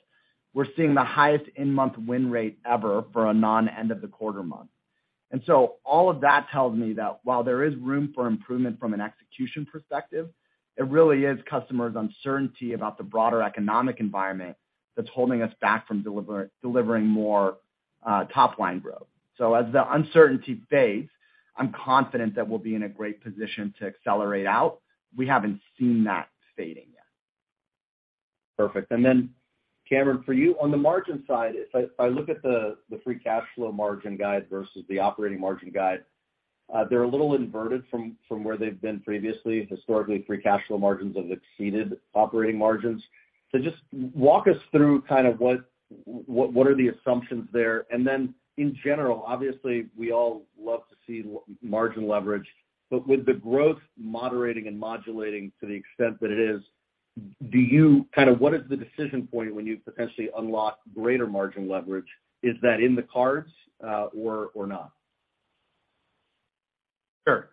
S3: we're seeing the highest end-month win rate ever for a non-end of the quarter month. All of that tells me that while there is room for improvement from an execution perspective, it really is customers' uncertainty about the broader economic environment that's holding us back from delivering more top line growth. As the uncertainty fades, I'm confident that we'll be in a great position to accelerate out. We haven't seen that fading yet.
S14: Perfect. Cameron, for you, on the margin side, if I look at the free cash flow margin guide versus the operating margin guide, they're a little inverted from where they've been previously. Historically, free cash flow margins have exceeded operating margins. Just walk us through kind of what are the assumptions there? In general, obviously we all love to see margin leverage, but with the growth moderating and modulating to the extent that it is, kind of what is the decision point when you potentially unlock greater margin leverage? Is that in the cards, or not?
S4: Sure.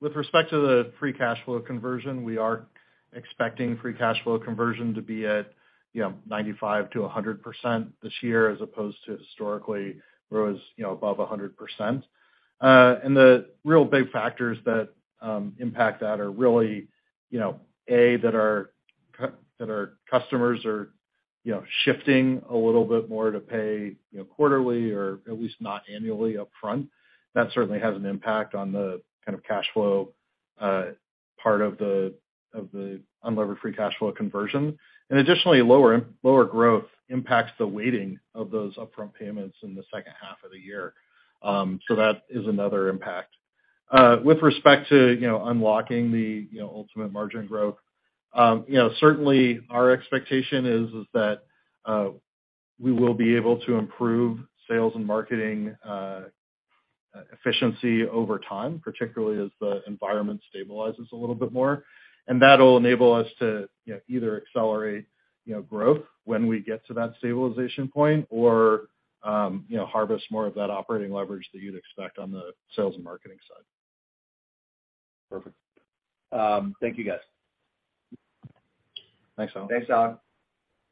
S4: With respect to the free cash flow conversion, we are expecting free cash flow conversion to be at, you know, 95% to 100% this year, as opposed to historically where it was, you know, above 100%. The real big factors that impact that are really, you know, A, that our customers are, you know, shifting a little bit more to pay, you know, quarterly or at least not annually up front. That certainly has an impact on the kind of cash flow part of the unlevered free cash flow conversion. Additionally, lower growth impacts the weighting of those upfront payments in the H2 of the year. That is another impact. With respect to, you know, unlocking the, you know, ultimate margin growth, you know, certainly our expectation is that we will be able to improve sales and marketing efficiency over time, particularly as the environment stabilizes a little bit more. That'll enable us to, you know, either accelerate, you know, growth when we get to that stabilization point or, you know, harvest more of that operating leverage that you'd expect on the sales and marketing side.
S14: Perfect. Thank you, guys.
S4: Thanks, Alex.
S3: Thanks, Alex.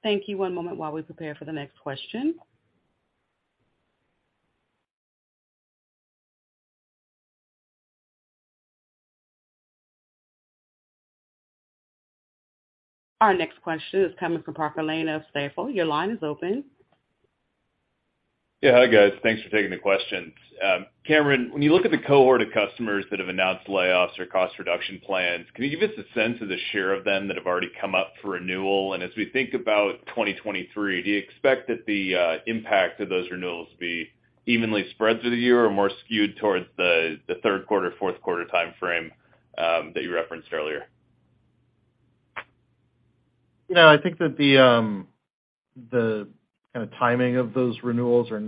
S1: Thank you. One moment while we prepare for the next question. Our next question is coming from Parker Lane of Stifel. Your line is open.
S15: Yeah. Hi, guys. Thanks for taking the questions. Cameron, when you look at the cohort of customers that have announced layoffs or cost reduction plans, can you give us a sense of the share of them that have already come up for renewal? As we think about 2023, do you expect that the impact of those renewals to be evenly spread through the year or more skewed towards the Q3, Q4 timeframe that you referenced earlier?
S4: You know, I think that the kinda timing of those renewals are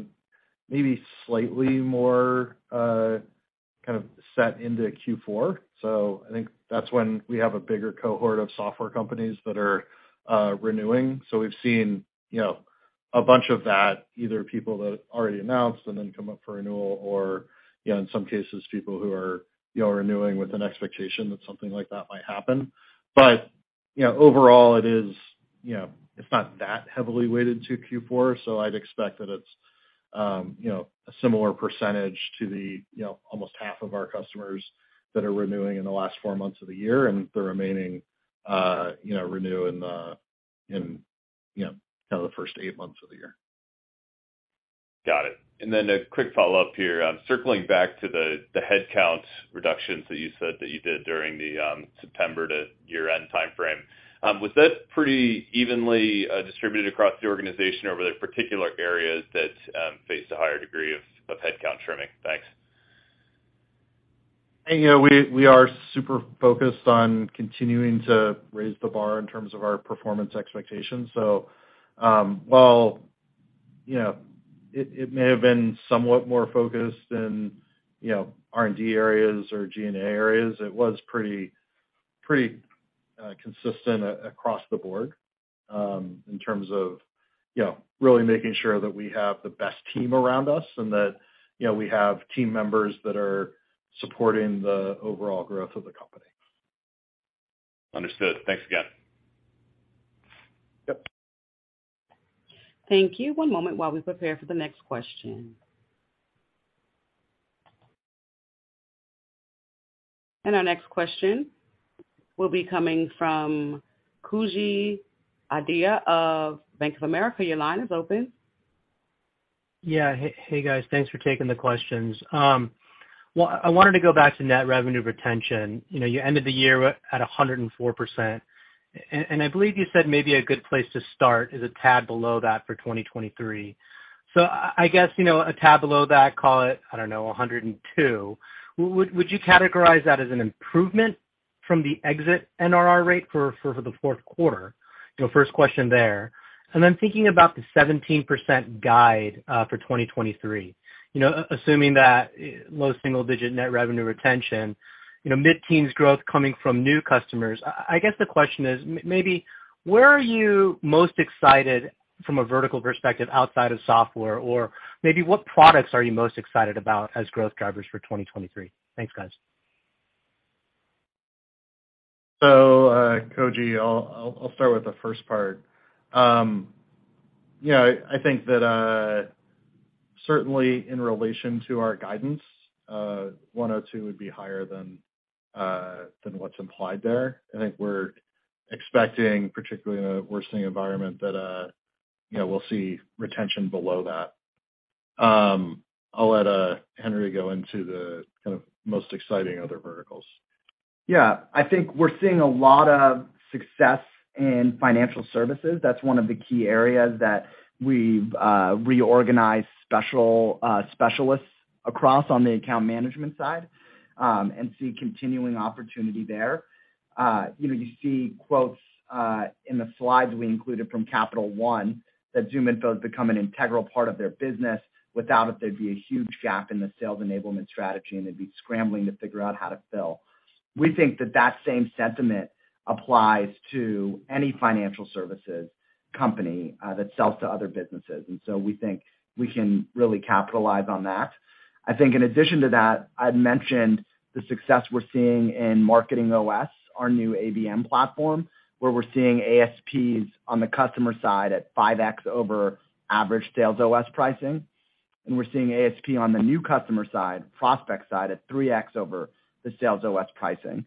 S4: maybe slightly more kind of set into Q4. I think that's when we have a bigger cohort of software companies that are renewing. We've seen, you know, a bunch of that, either people that already announced and then come up for renewal or, you know, in some cases, people who are, you know, renewing with an expectation that something like that might happen. You know, overall it is, you know, it's not that heavily weighted to Q4. I'd expect that it's, you know, a similar percentage to the, you know, almost half of our customers that are renewing in the last four months of the year and the remaining, you know, renew in the, you know, kind of the first eight months of the year.
S15: Got it. A quick follow-up here. Circling back to the headcount reductions that you said that you did during the September to year-end timeframe, was that pretty evenly distributed across the organization or were there particular areas that faced a higher degree of headcount trimming? Thanks.
S4: You know, we are super focused on continuing to raise the bar in terms of our performance expectations. while You know, it may have been somewhat more focused in R&D areas or G&A areas. It was pretty consistent across the board, in terms of really making sure that we have the best team around us and that we have team members that are supporting the overall growth of the company.
S15: Understood. Thanks again.
S4: Yep.
S1: Thank you. One moment while we prepare for the next question. Our next question will be coming from Koji Ikeda of Bank of America. Your line is open.
S16: Yeah. Hey, guys. Thanks for taking the questions. Well, I wanted to go back to net revenue retention. You know, you ended the year at 104%. I believe you said maybe a good place to start is a tad below that for 2023. I guess, you know, a tad below that, call it, I don't know, 102. Would you categorize that as an improvement from the exit NRR rate for the Q4? You know, first question there. Then thinking about the 17% guide for 2023. You know, assuming that low single-digit net revenue retention, you know, mid-teens growth coming from new customers, I guess the question is, maybe where are you most excited from a vertical perspective outside of software? Maybe what products are you most excited about as growth drivers for 2023? Thanks, guys.
S4: Koji, I'll start with the first part. Yeah, I think that certainly in relation to our guidance, 102 would be higher than what's implied there. I think we're expecting, particularly in a worsening environment, that, you know, we'll see retention below that. I'll let Henry go into the kind of most exciting other verticals.
S3: Yeah. I think we're seeing a lot of success in financial services. That's one of the key areas that we've reorganized special specialists across on the account management side, and see continuing opportunity there. You know, you see quotes in the slides we included from Capital One that ZoomInfo has become an integral part of their business. Without it, there'd be a huge gap in the sales enablement strategy, and they'd be scrambling to figure out how to fill. We think that that same sentiment applies to any financial services company that sells to other businesses. We think we can really capitalize on that. I think in addition to that, I'd mentioned the success we're seeing in MarketingOS, our new ABM platform, where we're seeing ASPs on the customer side at 5x over average SalesOS pricing. We're seeing ASP on the new customer side, prospect side, at 3x over the SalesOS pricing.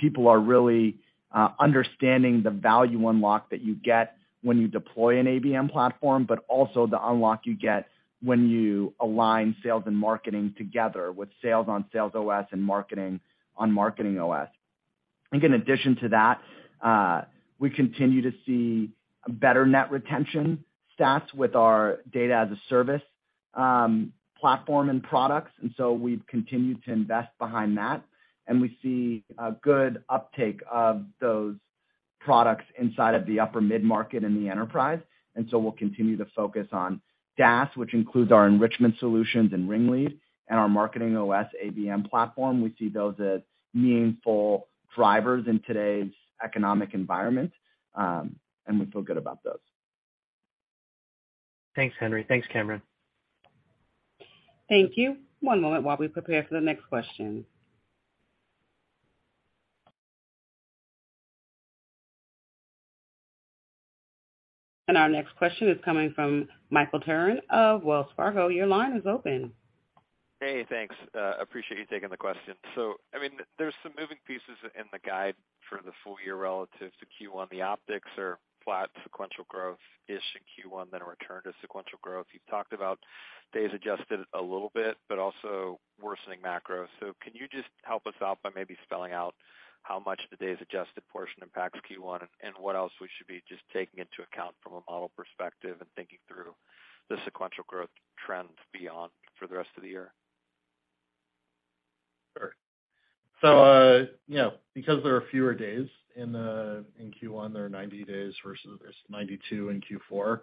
S3: People are really understanding the value unlock that you get when you deploy an ABM platform, but also the unlock you get when you align sales and marketing together with sales on SalesOS and marketing on MarketingOS. I think in addition to that, we continue to see better net retention stats with our DaaS platform and products. We've continued to invest behind that. We see a good uptake of those products inside of the upper mid-market in the enterprise. We'll continue to focus on DaaS, which includes our enrichment solutions and RingLead, and our MarketingOS ABM platform. We see those as meaningful drivers in today's economic environment, and we feel good about those.
S16: Thanks, Henry. Thanks, Cameron.
S1: Thank you. One moment while we prepare for the next question. Our next question is coming from Michael Turrin of Wells Fargo. Your line is open.
S17: Hey, thanks. Appreciate you taking the question. I mean, there's some moving pieces in the guide for the full year relative to Q1. The optics are flat sequential growth-ish in Q1, then a return to sequential growth. You've talked about days adjusted a little bit but also worsening macro. Can you just help us out by maybe spelling out how much the days adjusted portion impacts Q1 and what else we should be just taking into account from a model perspective and thinking through the sequential growth trend beyond for the rest of the year?
S4: Sure. You know, because there are fewer days in Q1, there are 90 days versus there's 92 in Q4,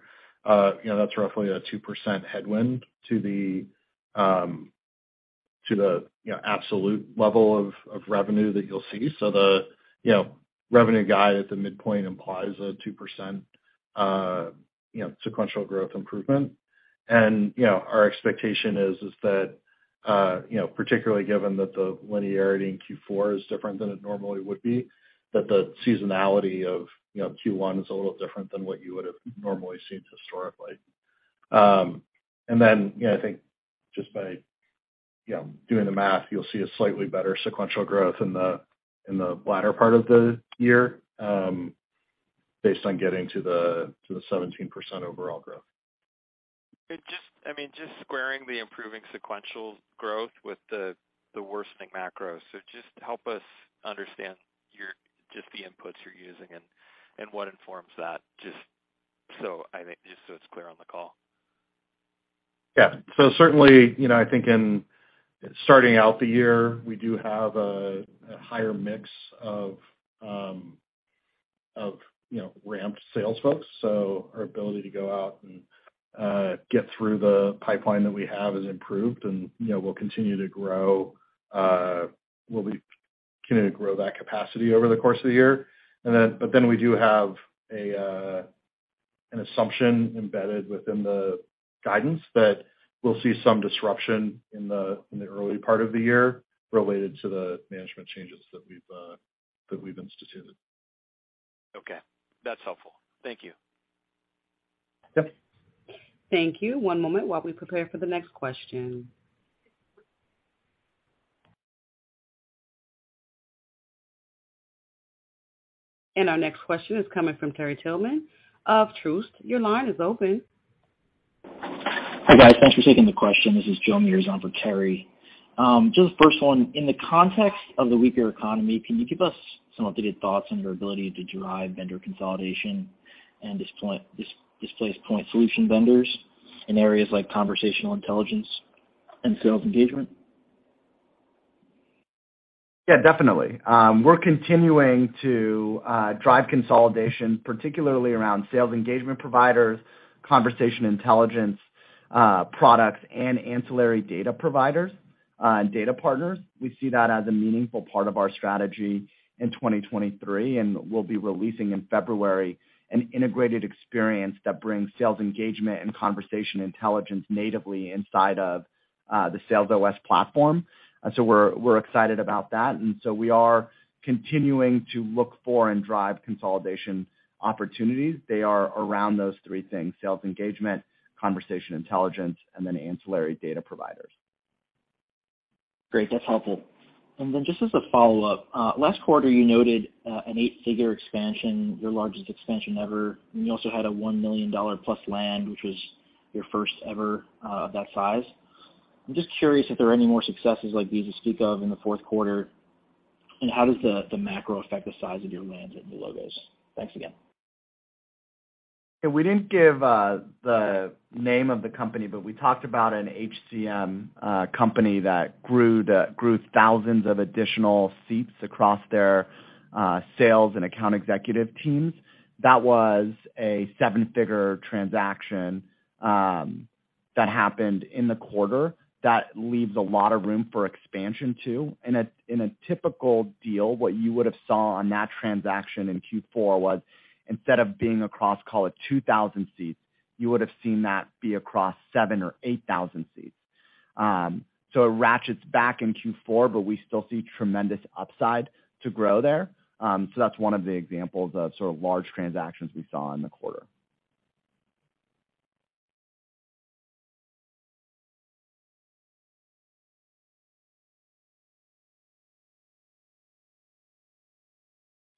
S4: you know, that's roughly a 2% headwind to the, to the, you know, absolute level of revenue that you'll see. The, you know, revenue guide at the midpoint implies a 2%, you know, sequential growth improvement. You know, our expectation is that, you know, particularly given that the linearity in Q4 is different than it normally would be, that the seasonality of, you know, Q1 is a little different than what you would have normally seen historically. You know, I think just by, you know, doing the math, you'll see a slightly better sequential growth in the, in the latter part of the year, based on getting to the, to the 17% overall growth.
S17: Just, I mean, just squaring the improving sequential growth with the worsening macro. Just help us understand your, just the inputs you're using and what informs that, just so I think, just so it's clear on the call.
S4: Yeah. Certainly, you know, I think in starting out the year, we do have a higher mix of, you know, ramped sales folks. Our ability to go out and get through the pipeline that we have is improved and, you know, will continue to grow, we'll be continuing to grow that capacity over the course of the year. We do have a an assumption embedded within the guidance that we'll see some disruption in the early part of the year related to the management changes that we've that we've instituted.
S17: Okay. That's helpful. Thank you.
S4: Yep.
S1: Thank you. One moment while we prepare for the next question. Our next question is coming from Terry Tillman of Truist. Your line is open.
S18: Hi, guys. Thanks for taking the question. This is Joe Meares on for Terry Tillman. Just first one, in the context of the weaker economy, can you give us some updated thoughts on your ability to drive vendor consolidation and displace point solution vendors in areas like conversational intelligence and sales engagement?
S3: Yeah, definitely. We're continuing to drive consolidation, particularly around sales engagement providers, conversation intelligence, products, and ancillary data providers, and data partners. We see that as a meaningful part of our strategy in 2023, and we'll be releasing in February an integrated experience that brings sales engagement and conversation intelligence natively inside of the SalesOS platform. We're excited about that. We are continuing to look for and drive consolidation opportunities. They are around those three things, sales engagement, conversation intelligence, and then ancillary data providers.
S18: Great. That's helpful. Just as a follow-up, last quarter, you noted an eight-figure expansion, your largest expansion ever, and you also had a $1 million plus land, which was your first ever of that size. I'm just curious if there are any more successes like these to speak of in the Q4. How does the macro affect the size of your lands and the logos? Thanks again.
S3: We didn't give the name of the company, but we talked about an HCM company that grew thousands of additional seats across their sales and account executive teams. That was a $7-figure transaction that happened in the quarter that leaves a lot of room for expansion too. In a typical deal, what you would have saw on that transaction in Q4 was instead of being across, call it 2,000 seats, you would have seen that be across 7,000 or 8,000 seats. It ratchets back in Q4, but we still see tremendous upside to grow there. That's one of the examples of sort of large transactions we saw in the quarter.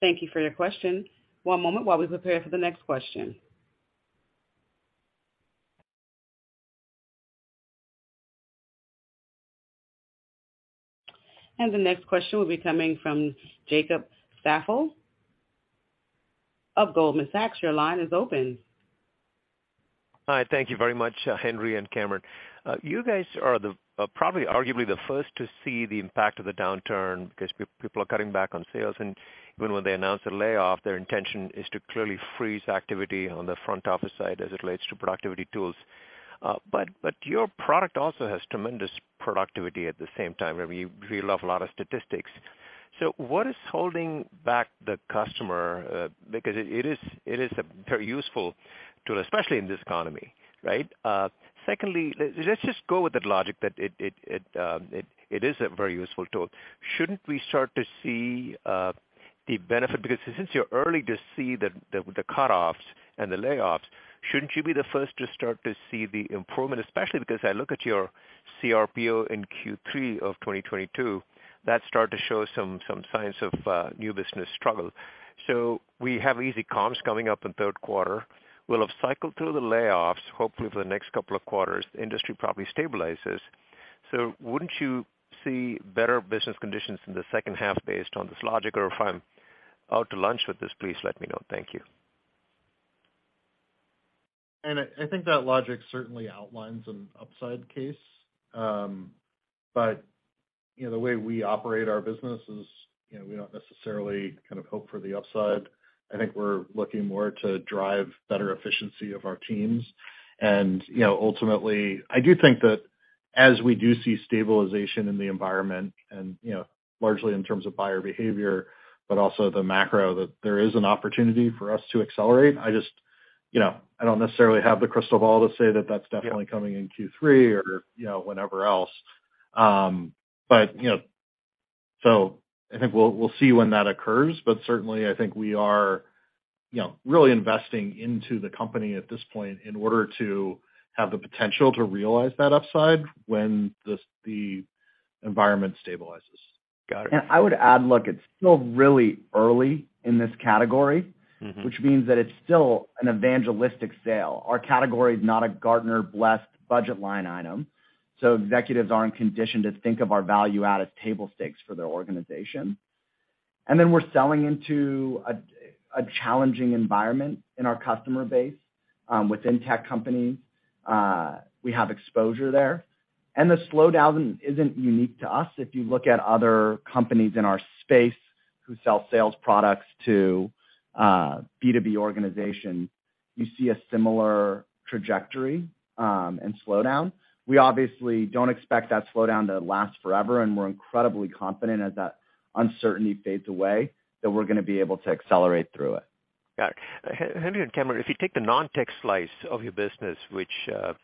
S1: Thank you for your question. One moment while we prepare for the next question. The next question will be coming from Kash Rangan of Goldman Sachs. Your line is open.
S19: Hi, thank you very much, Henry and Cameron. You guys are the, probably arguably the first to see the impact of the downturn because people are cutting back on sales, and even when they announce a layoff, their intention is to clearly freeze activity on the front office side as it relates to productivity tools. But your product also has tremendous productivity at the same time. I mean, we love a lot of statistics. What is holding back the customer? It is, it is a very useful tool, especially in this economy, right? Secondly, let's just go with the logic that it, it is a very useful tool. Shouldn't we start to see, the benefit? Since you're early to see the cut-offs and the layoffs, shouldn't you be the first to start to see the improvement, especially because I look at your CRPO in Q3 of 2022, that start to show some signs of new business struggle? We have easy comps coming up in Q3. We'll have cycled through the layoffs, hopefully for the next couple of quarters. The industry probably stabilizes. Wouldn't you see better business conditions in the H2 based on this logic? If I'm out to lunch with this, please let me know. Thank you.
S4: I think that logic certainly outlines an upside case. You know, the way we operate our business is, you know, we don't necessarily kind of hope for the upside. I think we're looking more to drive better efficiency of our teams. You know, ultimately, I do think that as we do see stabilization in the environment and, you know, largely in terms of buyer behavior, but also the macro, that there is an opportunity for us to accelerate. I just, you know, I don't necessarily have the crystal ball to say that that's definitely coming in Q3 or, you know, whenever else. You know, I think we'll see when that occurs, but certainly I think we are, you know, really investing into the company at this point in order to have the potential to realize that upside when the environment stabilizes.
S19: Got it.
S3: I would add, look, it's still really early in this category. Which means that it's still an evangelistic sale. Our category is not a Gartner-blessed budget line item, so executives aren't conditioned to think of our value add as table stakes for their organization. Then we're selling into a challenging environment in our customer base within tech companies. We have exposure there. The slowdown isn't unique to us. If you look at other companies in our space who sell sales products to B2B organizations, you see a similar trajectory and slowdown. We obviously don't expect that slowdown to last forever, and we're incredibly confident as that uncertainty fades away, that we're gonna be able to accelerate through it.
S19: Got it. Henry and Cameron, if you take the non-tech slice of your business, which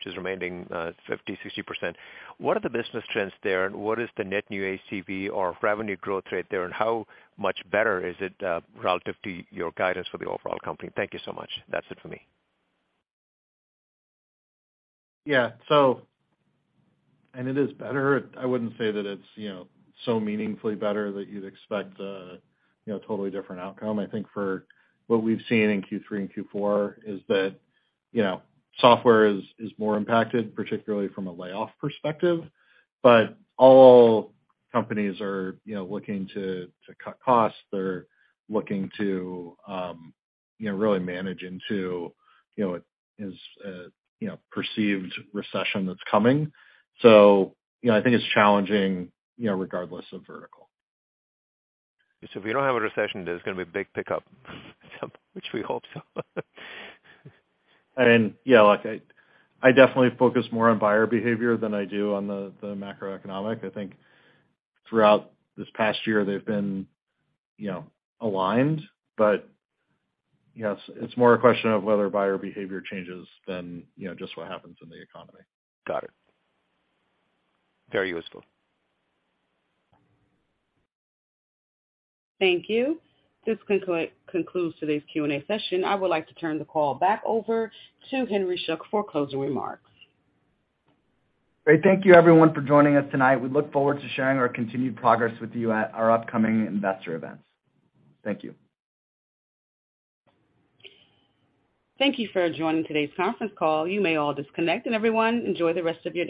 S19: is remaining 50%-60%, what are the business trends there? What is the net new ACV or revenue growth rate there, and how much better is it relative to your guidance for the overall company? Thank you so much. That's it for me.
S4: Yeah. It is better. I wouldn't say that it's, you know, so meaningfully better that you'd expect a, you know, totally different outcome. I think for what we've seen in Q3 and Q4 is that, you know, software is more impacted, particularly from a layoff perspective. All companies are, you know, looking to cut costs. They're looking to, you know, really manage into, you know, as a, you know, perceived recession that's coming. I think it's challenging, you know, regardless of vertical.
S19: If you don't have a recession, there's gonna be a big pickup, which we hope so.
S4: Yeah, look, I definitely focus more on buyer behavior than I do on the macroeconomic. I think throughout this past year they've been, you know, aligned. Yes, it's more a question of whether buyer behavior changes than, you know, just what happens in the economy.
S19: Got it. Very useful.
S1: Thank you. This concludes today's Q&A session. I would like to turn the call back over to Henry Schuck for closing remarks.
S3: Great. Thank you everyone for joining us tonight. We look forward to sharing our continued progress with you at our upcoming investor events. Thank you.
S1: Thank you for joining today's conference call. You may all disconnect, and everyone, enjoy the rest of your day.